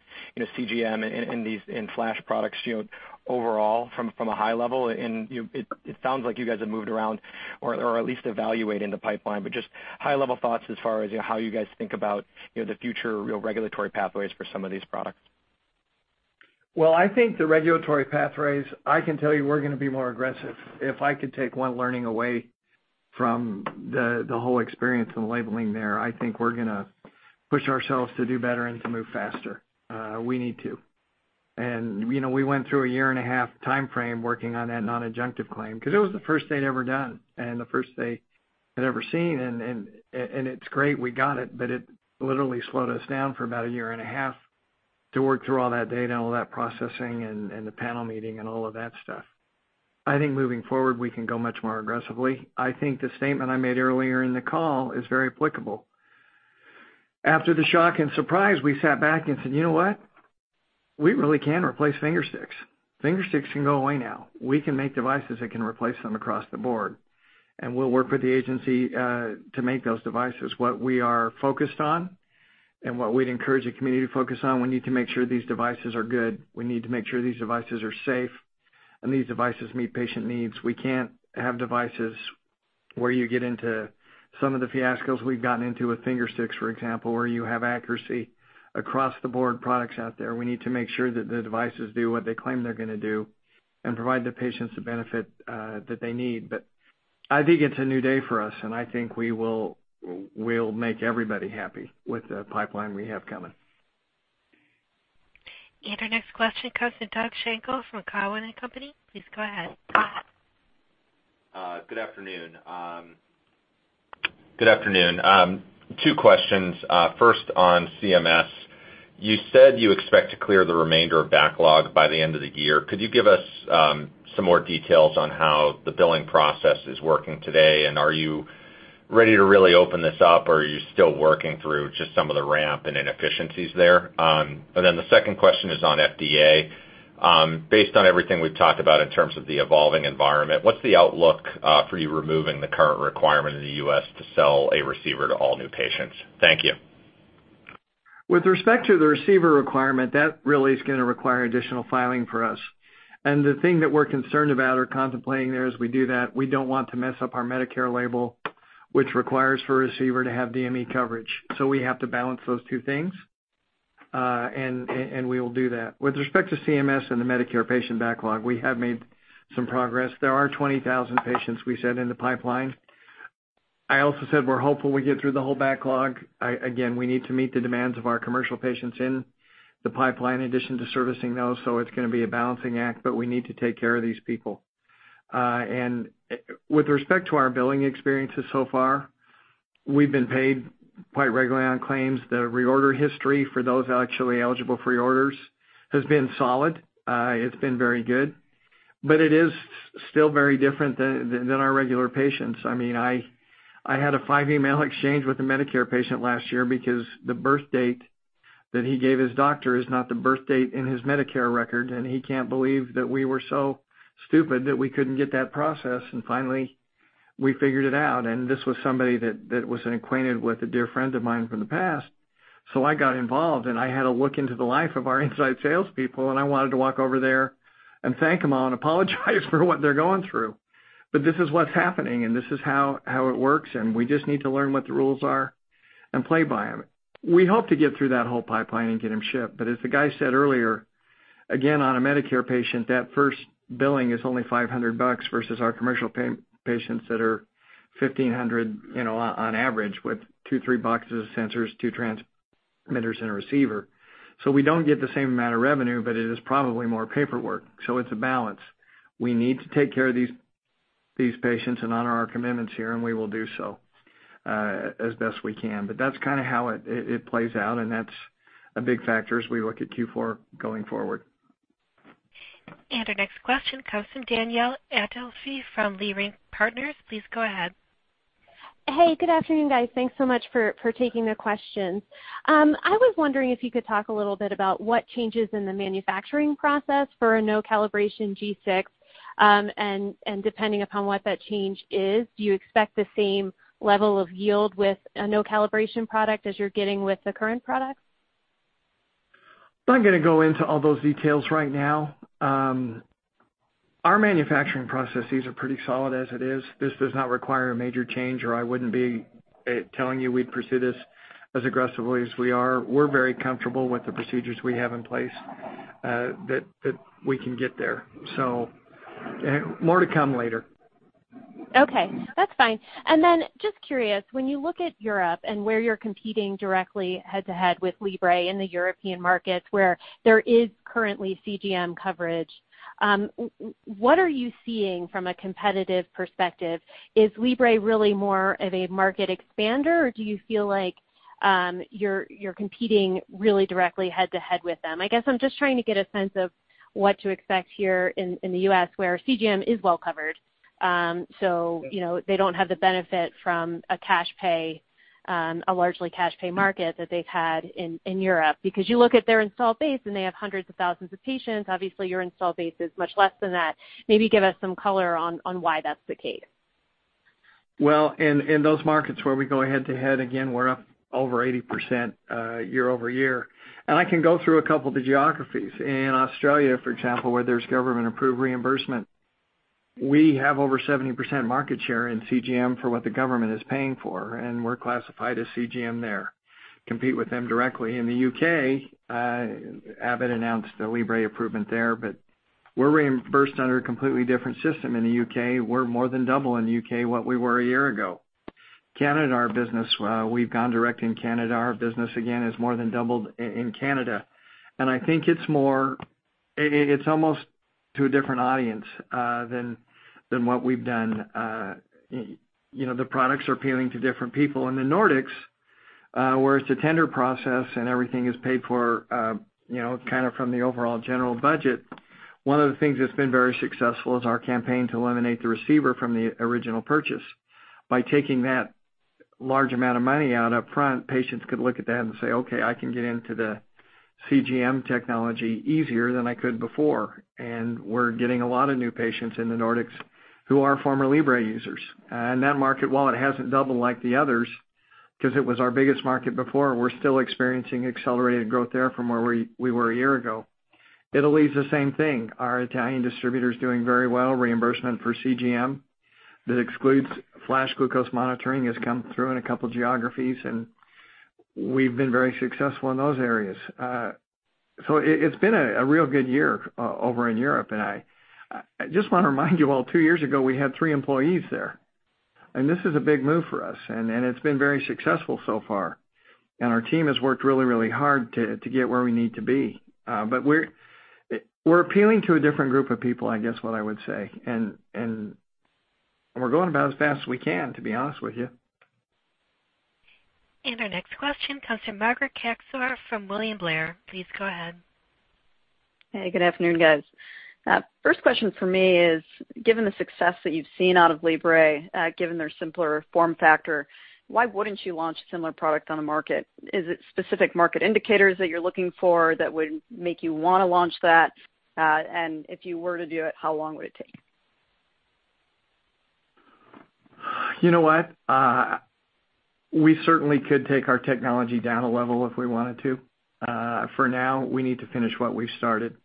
CGM in these Flash products, you know, overall from a high level. It sounds like you guys have moved around or at least evaluating the pipeline, but just high-level thoughts as far as how you guys think about the future real regulatory pathways for some of these products? Well, I think the regulatory pathways, I can tell you we're gonna be more aggressive. If I could take one learning away from the whole experience in labeling there, I think we're gonna push ourselves to do better and to move faster. We need to. You know, we went through a year-and-a-half timeframe working on that non-adjunctive claim because it was the first they'd ever done and the first they had ever seen. It's great we got it, but it literally slowed us down for about a year and a half to work through all that data and all that processing and the panel meeting and all of that stuff. I think moving forward, we can go much more aggressively. I think the statement I made earlier in the call is very applicable. After the shock and surprise, we sat back and said, "You know what? We really can replace finger sticks. Finger sticks can go away now. We can make devices that can replace them across the board." We'll work with the agency to make those devices. What we are focused on and what we'd encourage the community to focus on, we need to make sure these devices are good. We need to make sure these devices are safe and these devices meet patient needs. We can't have devices where you get into some of the fiascos we've gotten into with finger sticks, for example, where you have accuracy across the board products out there. We need to make sure that the devices do what they claim they're gonna do and provide the patients the benefit that they need. I think it's a new day for us, and I think we'll make everybody happy with the pipeline we have coming. Our next question comes from Doug Schenkel from Cowen and Co. Please go ahead. Good afternoon. Two questions. First on CMS. You said you expect to clear the remainder of backlog by the end of the year. Could you give us some more details on how the billing process is working today? Are you ready to really open this up, or are you still working through just some of the ramp and inefficiencies there? The second question is on FDA. Based on everything we've talked about in terms of the evolving environment, what's the outlook for you removing the current requirement in the U.S. to sell a receiver to all new patients? Thank you. With respect to the receiver requirement, that really is gonna require additional filing for us. The thing that we're concerned about or contemplating there as we do that, we don't want to mess up our Medicare label, which requires for a receiver to have DME coverage. We have to balance those two things, and we will do that. With respect to CMS and the Medicare patient backlog, we have made some progress. There are 20,000 patients we said in the pipeline. I also said we're hopeful we get through the whole backlog. Again, we need to meet the demands of our commercial patients in the pipeline in addition to servicing those, it's gonna be a balancing act, but we need to take care of these people. With respect to our billing experiences so far, we've been paid quite regularly on claims. The reorder history for those actually eligible for reorders has been solid. It's been very good, but it is still very different than our regular patients. I mean, I had a five email exchange with a Medicare patient last year because the birth date that he gave his doctor is not the birth date in his Medicare record, and he can't believe that we were so stupid that we couldn't get that processed. Finally, we figured it out, and this was somebody that was acquainted with a dear friend of mine from the past. I got involved, and I had a look into the life of our inside salespeople, and I wanted to walk over there and thank them all and apologize for what they're going through. This is what's happening and this is how it works, and we just need to learn what the rules are and play by 'em. We hope to get through that whole pipeline and get them shipped. As the guy said earlier, again, on a Medicare patient, that first billing is only $500 versus our commercial patients that are $1,500, you know, on average, with two to three boxes of sensors, two transmitters and a receiver. We don't get the same amount of revenue, but it is probably more paperwork. It's a balance. We need to take care of these patients and honor our commitments here, and we will do so as best we can. That's kinda how it plays out, and that's a big factor as we look at Q4 going forward. Our next question comes from Danielle Antalffy from Leerink Partners. Please go ahead. Hey, good afternoon, guys. Thanks so much for taking the questions. I was wondering if you could talk a little bit about what changes in the manufacturing process for a no calibration G6, and depending upon what that change is? Do you expect the same level of yield with a no calibration product as you're getting with the current products? I'm gonna go into all those details right now. Our manufacturing processes are pretty solid as it is. This does not require a major change, or I wouldn't be telling you we'd pursue this as aggressively as we are. We're very comfortable with the procedures we have in place, that we can get there. More to come later. Okay, that's fine. Just curious, when you look at Europe and where you're competing directly head to head with Libre in the European markets, where there is currently CGM coverage, what are you seeing from a competitive perspective? Is Libre really more of a market expander, or do you feel like you're competing really directly head to head with them? I guess I'm just trying to get a sense of what to expect here in the U.S. where CGM is well covered? You know, they don't have the benefit from a cash pay, a largely cash pay market that they've had in Europe. Because you look at their installed base, and they have hundreds of thousands of patients. Obviously, your installed base is much less than that. Maybe give us some color on why that's the case? Well, in those markets where we go head to head, again, we're up over 80% year-over-year. I can go through a couple of the geographies. In Australia, for example, where there's government approved reimbursement, we have over 70% market share in CGM for what the government is paying for, and we're classified as CGM there, compete with them directly. In the U.K., Abbott announced the Libre improvement there, but we're reimbursed under a completely different system in the U.K. We're more than double in the U.K. what we were a year ago. Canada, in our business, we've gone direct in Canada. Our business, again, has more than doubled in Canada. I think it's more. It's almost to a different audience than what we've done. You know, the products are appealing to different people. In the Nordics, where it's a tender process and everything is paid for, you know, kinda from the overall general budget, one of the things that's been very successful is our campaign to eliminate the receiver from the original purchase. By taking that large amount of money out upfront, patients could look at that and say, "Okay, I can get into the CGM technology easier than I could before." We're getting a lot of new patients in the Nordics who are former Libre users. That market, while it hasn't doubled like the others, 'cause it was our biggest market before, we're still experiencing accelerated growth there from where we were a year ago. Italy is the same thing. Our Italian distributor is doing very well. Reimbursement for CGM that excludes flash glucose monitoring has come through in a couple geographies, and we've been very successful in those areas. It's been a real good year over in Europe, and I just wanna remind you all, two years ago, we had three employees there. This is a big move for us, and it's been very successful so far. Our team has worked really, really hard to get where we need to be. But we're appealing to a different group of people, I guess, what I would say. We're going about as fast as we can, to be honest with you. Our next question comes from Margaret Kaczor from William Blair. Please go ahead. Hey, good afternoon, guys. First question for me is, given the success that you've seen out of Libre, given their simpler form factor, why wouldn't you launch a similar product on the market? Is it specific market indicators that you're looking for that would make you wanna launch that? If you were to do it, how long would it take? You know what? We certainly could take our technology down a level if we wanted to. For now, we need to finish what we started.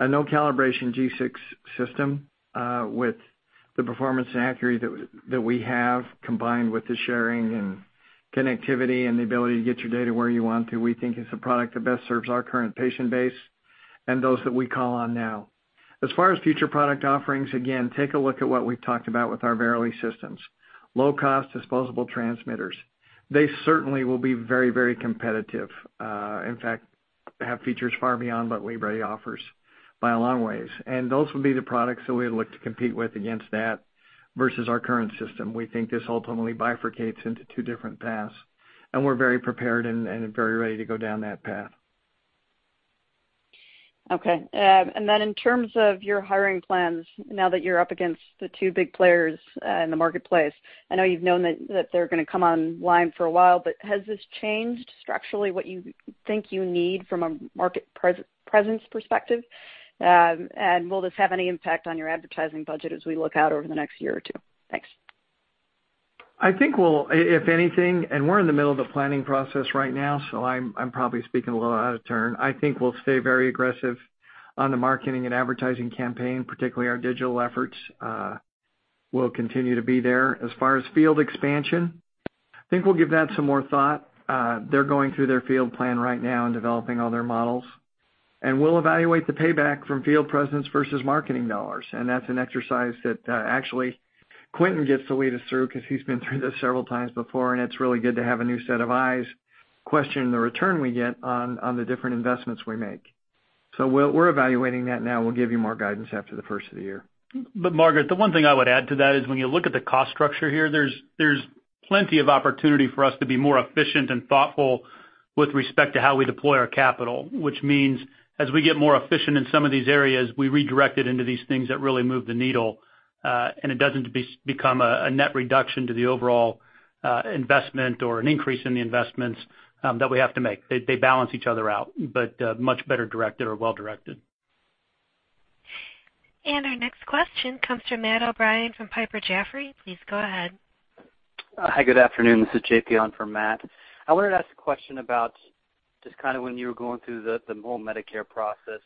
A no calibration G6 system, with the performance and accuracy that we have combined with the sharing and connectivity and the ability to get your data where you want to, we think is a product that best serves our current patient base and those that we call on now. As far as future product offerings, again, take a look at what we've talked about with our Verily systems. Low cost, disposable transmitters. They certainly will be very, very competitive. In fact, have features far beyond what Libre offers by a long ways. Those will be the products that we look to compete with against that versus our current system. We think this ultimately bifurcates into two different paths, and we're very prepared and very ready to go down that path. Okay. In terms of your hiring plans, now that you're up against the two big players in the marketplace, I know you've known that they're gonna come online for a while, but has this changed structurally what you think you need from a market presence perspective? Will this have any impact on your advertising budget as we look out over the next year or two? Thanks. If anything, we're in the middle of a planning process right now, so I'm probably speaking a little out of turn. I think we'll stay very aggressive on the marketing and advertising campaign, particularly our digital efforts, will continue to be there. As far as field expansion, I think we'll give that some more thought. They're going through their field plan right now and developing all their models. We'll evaluate the payback from field presence versus marketing dollars. That's an exercise that, actually Quentin gets to lead us through 'cause he's been through this several times before, and it's really good to have a new set of eyes question the return we get on the different investments we make. We're evaluating that now. We'll give you more guidance after the first of the year. Margaret, the one thing I would add to that is when you look at the cost structure here, there's plenty of opportunity for us to be more efficient and thoughtful with respect to how we deploy our capital, which means as we get more efficient in some of these areas, we redirect it into these things that really move the needle, and it doesn't become a net reduction to the overall investment or an increase in the investments that we have to make. They balance each other out, but much better directed or well directed. Our next question comes from Matt O'Brien from Piper Jaffray. Please go ahead. Hi, good afternoon. This is J.P. on for Matt. I wanted to ask a question about just kind of when you were going through the whole Medicare process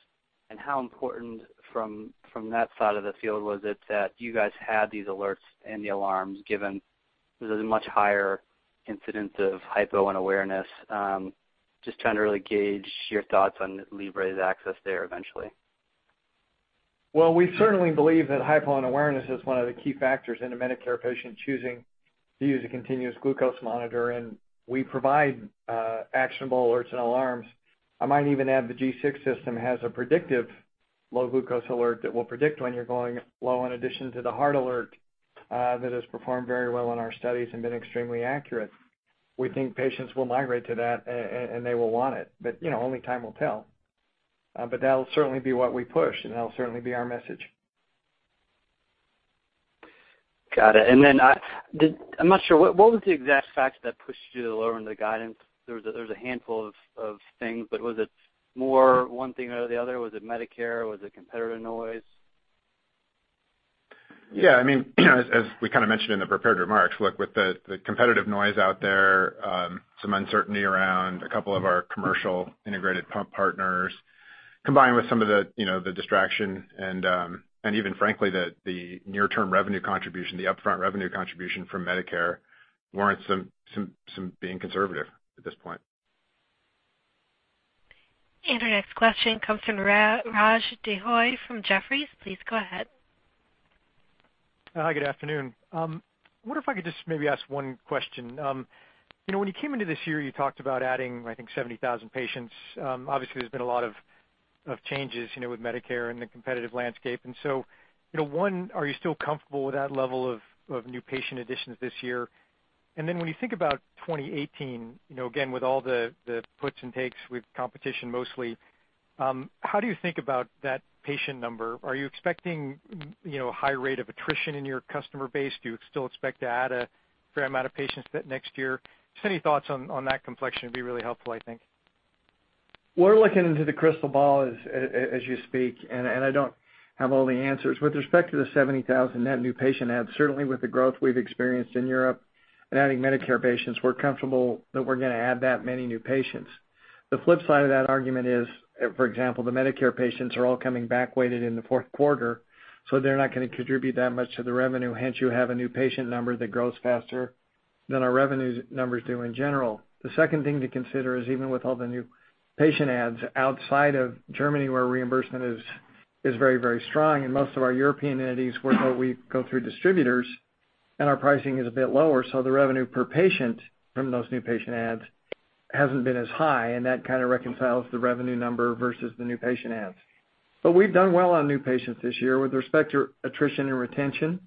and how important from that side of the field was it that you guys had these alerts and the alarms given the much higher incidence of hypo unawareness? Just trying to really gauge your thoughts on Libre's access there eventually. Well, we certainly believe that hypo unawareness is one of the key factors in a Medicare patient choosing to use a continuous glucose monitor, and we provide actionable alerts and alarms. I might even add the G6 system has a predictive low glucose alert that will predict when you're going low in addition to the hard alert that has performed very well in our studies and been extremely accurate. We think patients will migrate to that and they will want it, but, you know, only time will tell. That'll certainly be what we push, and that'll certainly be our message. Got it. Then, I'm not sure. What was the exact fact that pushed you to lowering the guidance? There was a handful of things, but was it more one thing or the other? Was it Medicare? Was it competitive noise? Yeah. I mean, as we kinda mentioned in the prepared remarks, look, with the competitive noise out there, some uncertainty around a couple of our commercial integrated pump partners, combined with some of the, you know, the distraction and even frankly, the near term revenue contribution, the upfront revenue contribution from Medicare warrants some being conservative at this point. Our next question comes from Raj Denhoy from Jefferies. Please go ahead. Hi, good afternoon. Wonder if I could just maybe ask one question. You know, when you came into this year, you talked about adding, I think, 70,000 patients. Obviously, there's been a lot of changes, you know, with Medicare and the competitive landscape. You know, one, are you still comfortable with that level of new patient additions this year? Then when you think about 2018, you know, again, with all the puts and takes with competition mostly, how do you think about that patient number? Are you expecting, you know, a high rate of attrition in your customer base? Do you still expect to add a fair amount of patients that next year? Just any thoughts on that complexion would be really helpful, I think. We're looking into the crystal ball as you speak, and I don't have all the answers. With respect to the 70,000 net new patient adds, certainly with the growth we've experienced in Europe and adding Medicare patients, we're comfortable that we're gonna add that many new patients. The flip side of that argument is, for example, the Medicare patients are all coming back-weighted in the fourth quarter, so they're not gonna contribute that much to the revenue. Hence, you have a new patient number that grows faster than our revenue numbers do in general. The second thing to consider is even with all the new patient adds outside of Germany where reimbursement is very, very strong, and most of our European entities where we go through distributors and our pricing is a bit lower, so the revenue per patient from those new patient adds hasn't been as high, and that kinda reconciles the revenue number versus the new patient adds. We've done well on new patients this year with respect to attrition and retention.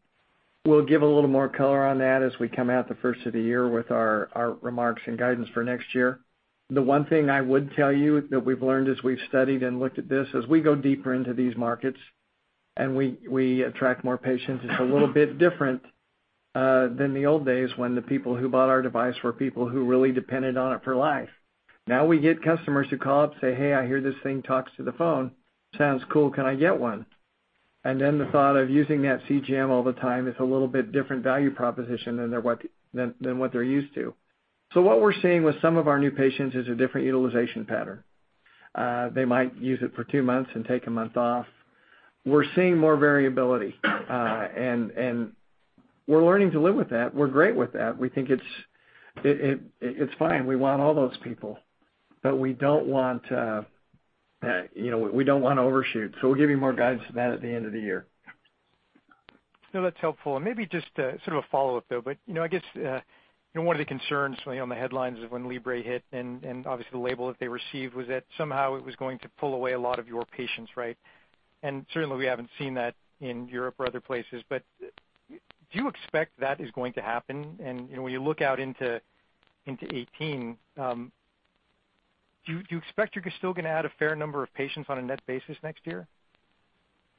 We'll give a little more color on that as we come out the first of the year with our remarks and guidance for next year. The one thing I would tell you that we've learned as we've studied and looked at this, as we go deeper into these markets and we attract more patients, it's a little bit different than the old days when the people who bought our device were people who really depended on it for life. Now we get customers who call up and say, "Hey, I hear this thing talks to the phone. Sounds cool. Can I get one?" The thought of using that CGM all the time is a little bit different value proposition than what they're used to. What we're seeing with some of our new patients is a different utilization pattern. They might use it for two months and take a month off. We're seeing more variability, and we're learning to live with that. We're great with that. We think it's fine. We want all those people, but we don't want, you know, we don't wanna overshoot. We'll give you more guidance on that at the end of the year. No, that's helpful. Maybe just a sort of a follow-up, though. You know, I guess, you know, one of the concerns when, you know, the headlines when Libre hit and obviously the label that they received was that somehow it was going to pull away a lot of your patients, right? Certainly, we haven't seen that in Europe or other places. Do you expect that is going to happen? You know, when you look out into 2018, do you expect you're still gonna add a fair number of patients on a net basis next year?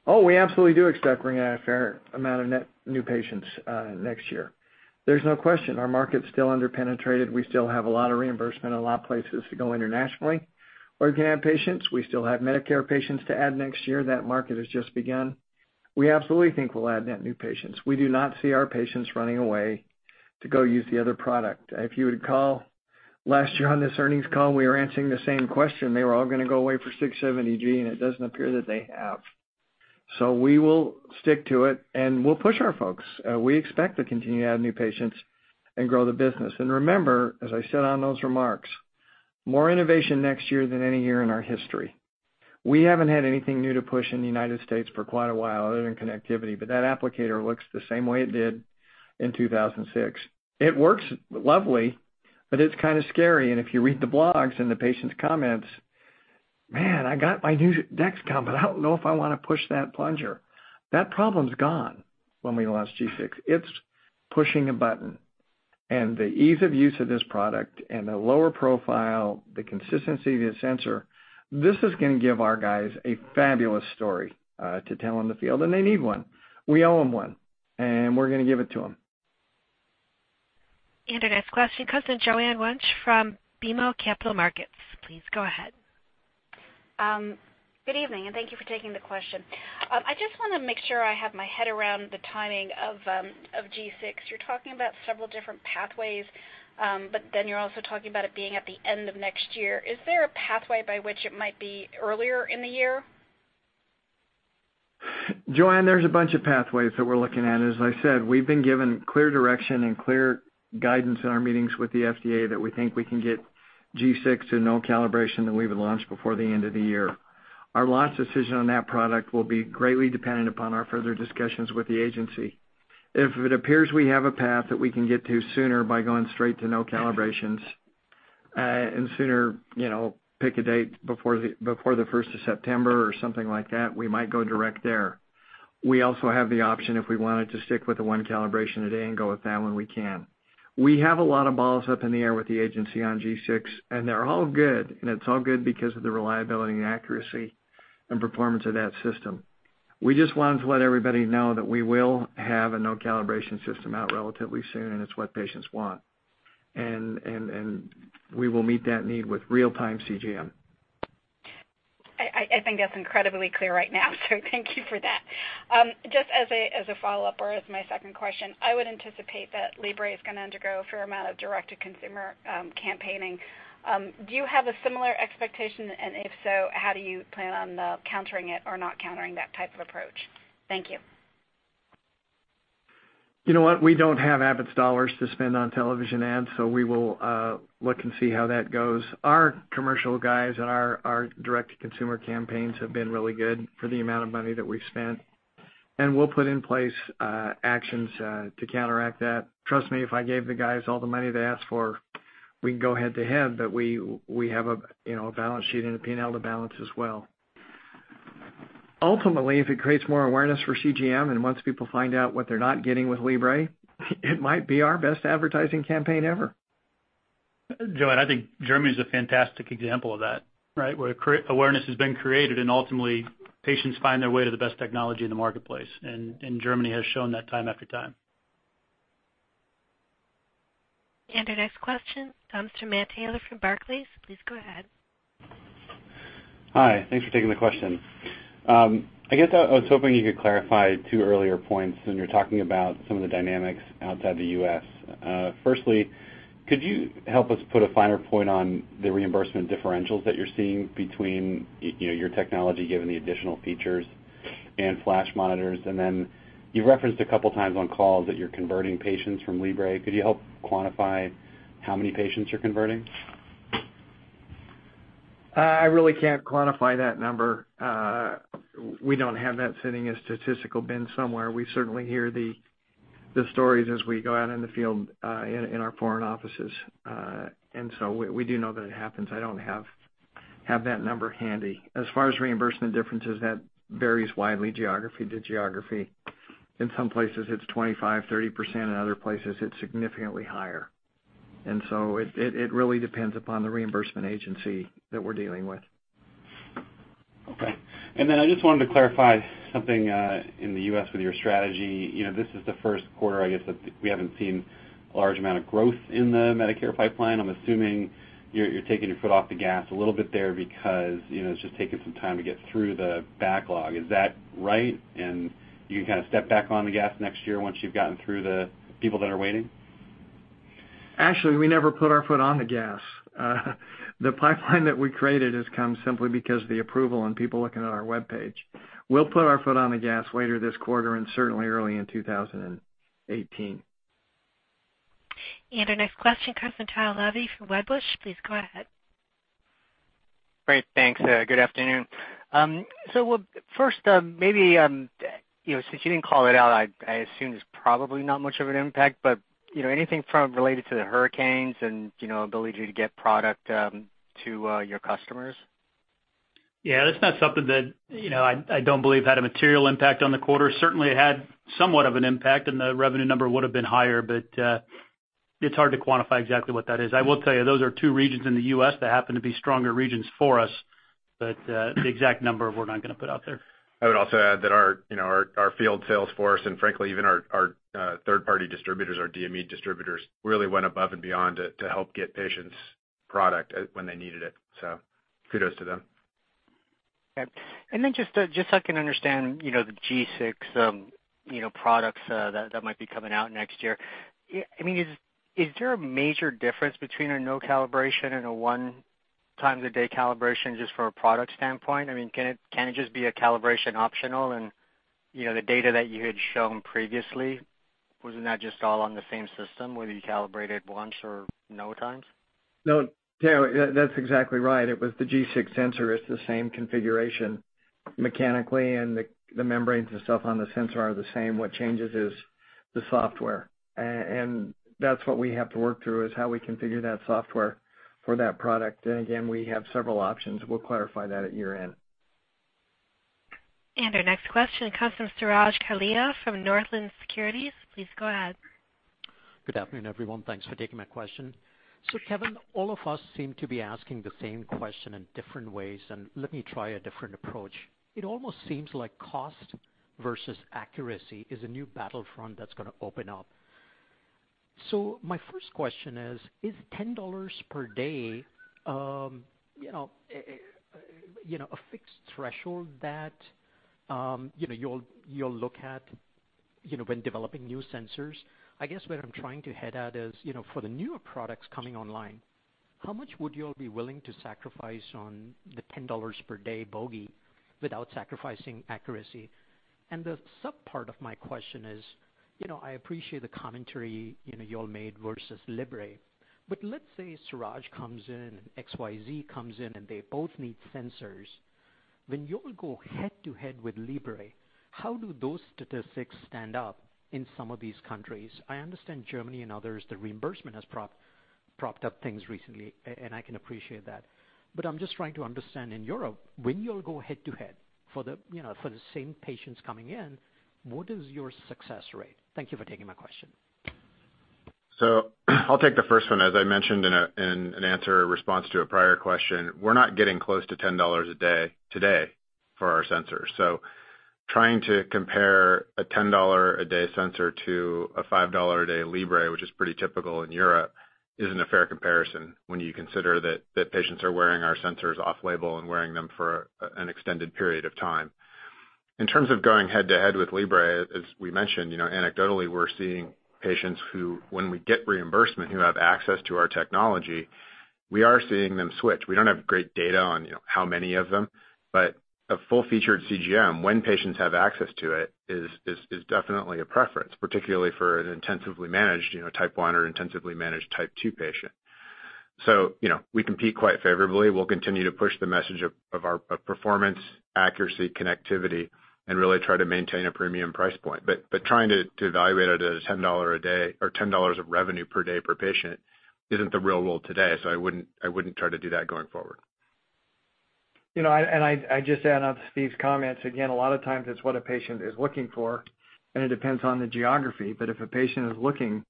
Oh, we absolutely do expect we're gonna add a fair amount of net new patients next year. There's no question our market's still under-penetrated. We still have a lot of reimbursement, a lot of places to go internationally. Ongoing patients, we still have Medicare patients to add next year. That market has just begun. We absolutely think we'll add net new patients. We do not see our patients running away to go use the other product. If you recall last year on this earnings call, we were answering the same question. They were all gonna go away for 670G, and it doesn't appear that they have. We will stick to it, and we'll push our folks. We expect to continue to add new patients and grow the business. Remember, as I said on those remarks, more innovation next year than any year in our history. We haven't had anything new to push in the United States for quite a while other than connectivity, but that applicator looks the same way it did in 2006. It works lovely, but it's kinda scary. If you read the blogs and the patients' comments, "Man, I got my new Dexcom, but I don't know if I wanna push that plunger." That problem's gone when we launch G6. It's pushing a button. The ease of use of this product and the lower profile, the consistency of the sensor, this is gonna give our guys a fabulous story to tell in the field, and they need one. We owe them one, and we're gonna give it to them. Our next question comes from Joanne Wuensch from BMO Capital Markets. Please go ahead. Good evening, and thank you for taking the question. I just wanna make sure I have my head around the timing of G6. You're talking about several different pathways, but then you're also talking about it being at the end of next year. Is there a pathway by which it might be earlier in the year? Joanne, there's a bunch of pathways that we're looking at. As I said, we've been given clear direction and clear guidance in our meetings with the FDA that we think we can get G6 to no calibration that we would launch before the end of the year. Our launch decision on that product will be greatly dependent upon our further discussions with the agency. If it appears we have a path that we can get to sooner by going straight to no calibrations, and sooner, you know, pick a date before the first of September or something like that, we might go direct there. We also have the option, if we wanted to stick with the one calibration a day and go with that one, we can. We have a lot of balls up in the air with the agency on G6, and they're all good. It's all good because of the reliability and accuracy and performance of that system. We just wanted to let everybody know that we will have a no calibration system out relatively soon, and it's what patients want. We will meet that need with real-time CGM. I think that's incredibly clear right now, so thank you for that. Just as a follow-up or as my second question, I would anticipate that Libre is gonna undergo a fair amount of direct-to-consumer campaigning. Do you have a similar expectation? If so, how do you plan on countering it or not countering that type of approach? Thank you. You know what? We don't have Abbott's dollars to spend on television ads, so we will look and see how that goes. Our commercial guys and our direct-to-consumer campaigns have been really good for the amount of money that we've spent. We'll put in place actions to counteract that. Trust me, if I gave the guys all the money they asked for, we can go head-to-head, but we have a balance sheet and a P&L to balance as well. Ultimately, if it creates more awareness for CGM and once people find out what they're not getting with Libre, it might be our best advertising campaign ever. Joanne, I think Germany is a fantastic example of that, right? Where awareness has been created and ultimately patients find their way to the best technology in the marketplace. Germany has shown that time after time. Our next question comes from Matt Taylor from Barclays. Please go ahead. Hi. Thanks for taking the question. I guess I was hoping you could clarify two earlier points when you're talking about some of the dynamics outside the U.S. Firstly, could you help us put a finer point on the reimbursement differentials that you're seeing between you know, your technology, given the additional features and flash monitors? And then you referenced a couple times on calls that you're converting patients from Libre. Could you help quantify how many patients you're converting? I really can't quantify that number. We don't have that sitting in a statistical bin somewhere. We certainly hear the stories as we go out in the field, in our foreign offices. We do know that it happens. I don't have that number handy. As far as reimbursement differences, that varies widely geography to geography. In some places, it's 25%-30%. In other places, it's significantly higher. It really depends upon the reimbursement agency that we're dealing with. Okay. Then I just wanted to clarify something in the U.S. with your strategy. You know, this is the first quarter, I guess, that we haven't seen a large amount of growth in the Medicare pipeline. I'm assuming you're taking your foot off the gas a little bit there because, you know, it's just taking some time to get through the backlog. Is that right? You kind of step back on the gas next year once you've gotten through the people that are waiting. Actually, we never put our foot on the gas. The pipeline that we created has come simply because of the approval and people looking at our webpage. We'll put our foot on the gas later this quarter and certainly early in 2018. Our next question comes from Tyler Levy from Wedbush. Please go ahead. Great. Thanks. Good afternoon. First, maybe, you know, since you didn't call it out, I assume it's probably not much of an impact, but, you know, anything related to the hurricanes and, you know, ability to get product to your customers? Yeah, that's not something that, you know, I don't believe had a material impact on the quarter. Certainly, it had somewhat of an impact on the revenue number would have been higher, but it's hard to quantify exactly what that is. I will tell you, those are two regions in the U.S. that happen to be stronger regions for us, but the exact number we're not gonna put out there. I would also add that our you know our field sales force and frankly even our third-party distributors our DME distributors really went above and beyond to help get patients product when they needed it. Kudos to them. Okay. Just so I can understand, you know, the G6 products that might be coming out next year. I mean, is there a major difference between a no calibration and a one times a day calibration just from a product standpoint? I mean, can it just be a calibration optional? You know, the data that you had shown previously, wasn't that just all on the same system, whether you calibrate it once or no times? No, Tyler, that's exactly right. It was the G6 sensor. It's the same configuration mechanically, and the membranes and stuff on the sensor are the same. What changes is the software. That's what we have to work through is how we configure that software for that product. Again, we have several options. We'll clarify that at year-end. Our next question comes from Suraj Kalia from Northland Securities. Please go ahead. Good afternoon, everyone. Thanks for taking my question. Kevin, all of us seem to be asking the same question in different ways, and let me try a different approach. It almost seems like cost versus accuracy is a new battlefront that's gonna open up. My first question is $10 per day, you know, a fixed threshold that, you know, you'll look at, you know, when developing new sensors? I guess where I'm trying to head at is, you know, for the newer products coming online, how much would you all be willing to sacrifice on the $10 per day bogey without sacrificing accuracy? The subpart of my question is, you know, I appreciate the commentary, you know, you all made versus Libre. Let's say Suraj comes in, XYZ comes in, and they both need sensors. When you all go head to head with Libre, how do those statistics stand up in some of these countries? I understand Germany and others, the reimbursement has propped up things recently, and I can appreciate that. But I'm just trying to understand in Europe, when you all go head to head for the, you know, for the same patients coming in, what is your success rate? Thank you for taking my question. I'll take the first one. As I mentioned in an answer response to a prior question, we're not getting close to $10 a day today for our sensors. Trying to compare a $10-a-day sensor to a $5-a-day Libre, which is pretty typical in Europe, isn't a fair comparison when you consider that patients are wearing our sensors off-label and wearing them for an extended period of time. In terms of going head-to-head with Libre, as we mentioned, you know, anecdotally, we're seeing patients who, when we get reimbursement, who have access to our technology, we are seeing them switch. We don't have great data on, you know, how many of them, but a full-featured CGM, when patients have access to it, is definitely a preference, particularly for an intensively managed, you know, Type 1 or intensively managed Type 2 patient. You know, we compete quite favorably. We'll continue to push the message of our performance, accuracy, connectivity, and really try to maintain a premium price point. Trying to evaluate it at a $10 a day or $10 of revenue per day per patient isn't the real world today. I wouldn't try to do that going forward. You know, I just add on to Steve's comments. Again, a lot of times it's what a patient is looking for, and it depends on the geography. If a patient is looking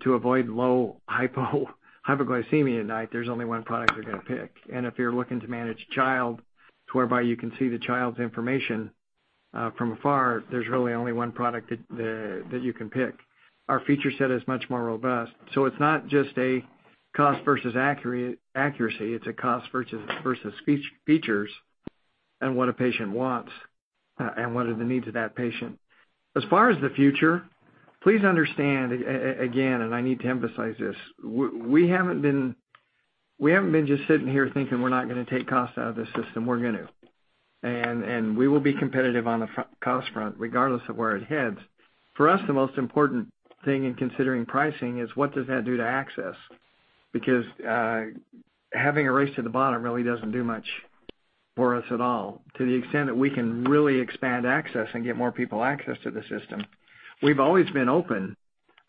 to avoid low hypoglycemia at night, there's only one product they're gonna pick. If you're looking to manage a child whereby you can see the child's information from afar, there's really only one product that you can pick. Our feature set is much more robust. It's not just a cost versus accuracy. It's a cost versus features and what a patient wants, and what are the needs of that patient. As far as the future, please understand, again, and I need to emphasize this, we haven't been just sitting here thinking we're not gonna take cost out of the system. We're gonna. We will be competitive on the full-cost front regardless of where it heads. For us, the most important thing in considering pricing is what does that do to access? Because having a race to the bottom really doesn't do much for us at all, to the extent that we can really expand access and get more people access to the system. We've always been open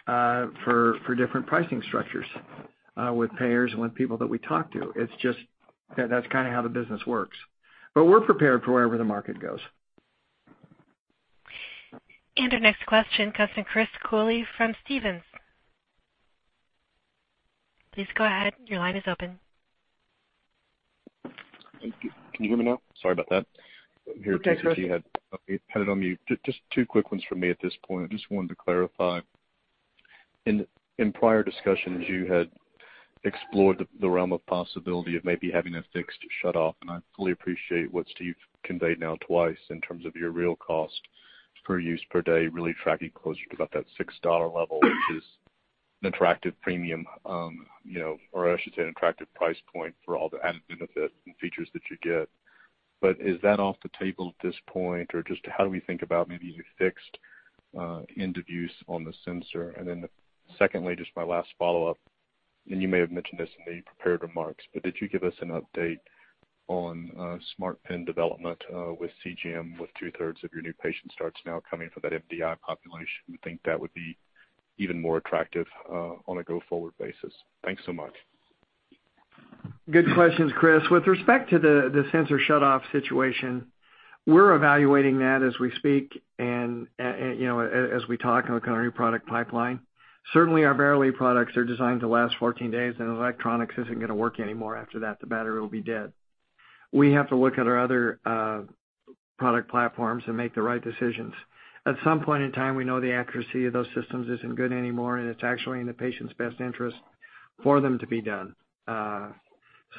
for different pricing structures with payers and with people that we talk to. It's just that that's kinda how the business works. We're prepared for wherever the market goes. Our next question comes from Chris Cooley from Stephens. Please go ahead. Your line is open. Thank you. Can you hear me now? Sorry about that. It's okay, Chris. Here at TCG, had it on mute. Just two quick ones from me at this point. I just wanted to clarify. In prior discussions, you had explored the realm of possibility of maybe having a fixed shutoff, and I fully appreciate what Steve conveyed now twice in terms of your real cost per use per day really tracking closer to about that $6 level, which is an attractive premium, you know, or I should say, an attractive price point for all the added benefit and features that you get. Is that off the table at this point? Or just how do we think about maybe a fixed end of use on the sensor? Secondly, just my last follow-up, and you may have mentioned this in the prepared remarks, but did you give us an update on smart pen development with CGM, with two-thirds of your new patient starts now coming from that MDI population? We think that would be even more attractive on a go-forward basis. Thanks so much. Good questions, Chris. With respect to the sensor shutoff situation, we're evaluating that as we speak and, you know, as we talk on the kind of new product pipeline. Certainly, our Verily products are designed to last 14 days, and electronics isn't gonna work anymore after that. The battery will be dead. We have to look at our other product platforms and make the right decisions. At some point in time, we know the accuracy of those systems isn't good anymore, and it's actually in the patient's best interest for them to be done.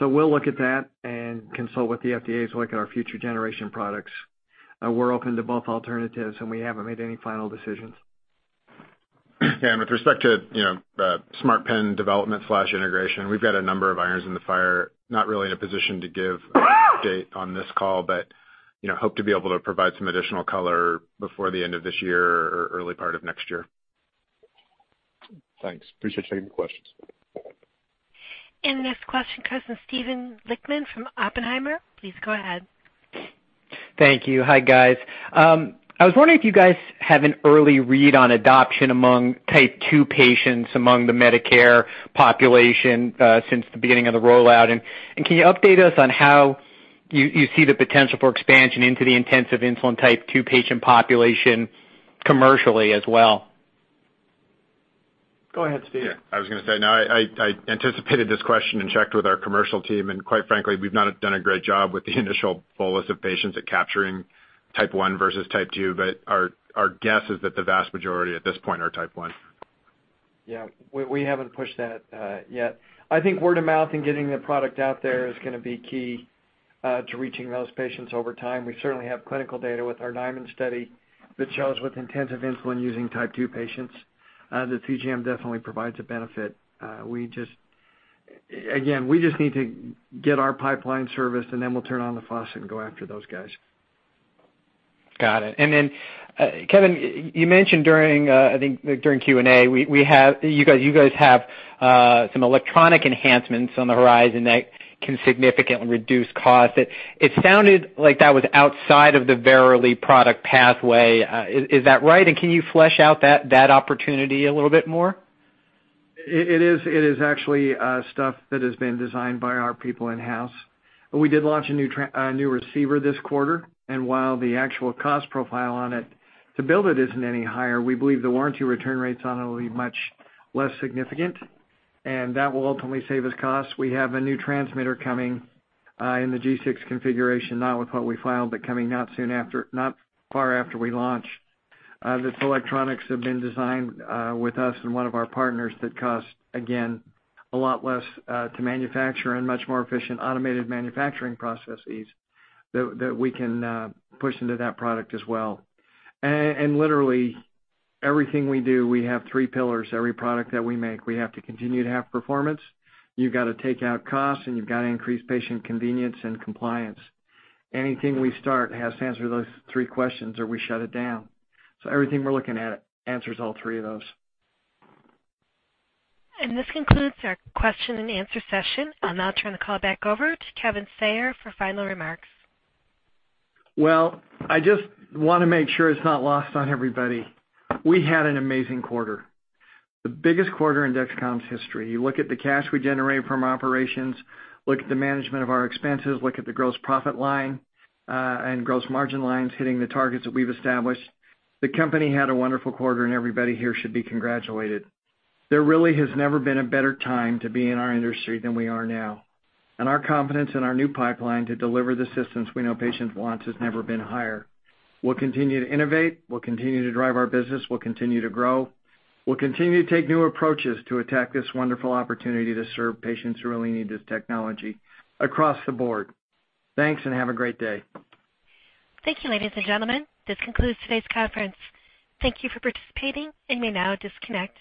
We'll look at that and consult with the FDA as we look at our future generation products. We're open to both alternatives, and we haven't made any final decisions. With respect to, you know, smart pen development/integration, we've got a number of irons in the fire. Not really in a position to give a date on this call, but, you know, hope to be able to provide some additional color before the end of this year or early part of next year. Thanks. Appreciate you taking the questions. The next question comes from Steven Lichtman from Oppenheimer. Please go ahead. Thank you. Hi, guys. I was wondering if you guys have an early read on adoption among Type 2 patients among the Medicare population since the beginning of the rollout. Can you update us on how you see the potential for expansion into the intensive insulin Type 2 patient population commercially as well? Go ahead, Steve. Yeah, I was gonna say, now I anticipated this question and checked with our commercial team, and quite frankly, we've not done a great job with the initial bolus of patients at capturing Type 1 versus Type 2, but our guess is that the vast majority at this point are Type 1. Yeah. We haven't pushed that yet. I think word of mouth and getting the product out there is gonna be key to reaching those patients over time. We certainly have clinical data with our DIAMOND study that shows with intensive insulin using Type 2 patients, the CGM definitely provides a benefit. We just need to get our pipeline serviced, and then we'll turn on the faucet and go after those guys. Got it. Kevin, you mentioned during Q&A, I think, like, you guys have some electronic enhancements on the horizon that can significantly reduce cost. It sounded like that was outside of the Verily product pathway. Is that right? Can you flesh out that opportunity a little bit more? It is actually stuff that has been designed by our people in-house. We did launch a new receiver this quarter, and while the actual cost profile on it to build it isn't any higher, we believe the warranty return rates on it will be much less significant, and that will ultimately save us costs. We have a new transmitter coming in the G6 configuration, not with what we filed, but coming out soon after, not far after we launch. Those electronics have been designed with us and one of our partners. It costs, again, a lot less to manufacture and much more efficient automated manufacturing processes that we can push into that product as well. Literally everything we do, we have three pillars, every product that we make. We have to continue to have performance. You've gotta take out costs, and you've gotta increase patient convenience and compliance. Anything we start has to answer those three questions or we shut it down. Everything we're looking at answers all three of those. This concludes our question-and-answer session. I'll now turn the call back over to Kevin Sayer for final remarks. Well, I just wanna make sure it's not lost on everybody. We had an amazing quarter. The biggest quarter in Dexcom's history. You look at the cash we generated from operations, look at the management of our expenses, look at the gross profit line, and gross margin lines hitting the targets that we've established. The company had a wonderful quarter, and everybody here should be congratulated. There really has never been a better time to be in our industry than we are now, and our confidence in our new pipeline to deliver the systems we know patients want has never been higher. We'll continue to innovate. We'll continue to drive our business. We'll continue to grow. We'll continue to take new approaches to attack this wonderful opportunity to serve patients who really need this technology across the board. Thanks, and have a great day. Thank you, ladies and gentlemen. This concludes today's conference. Thank you for participating. You may now disconnect.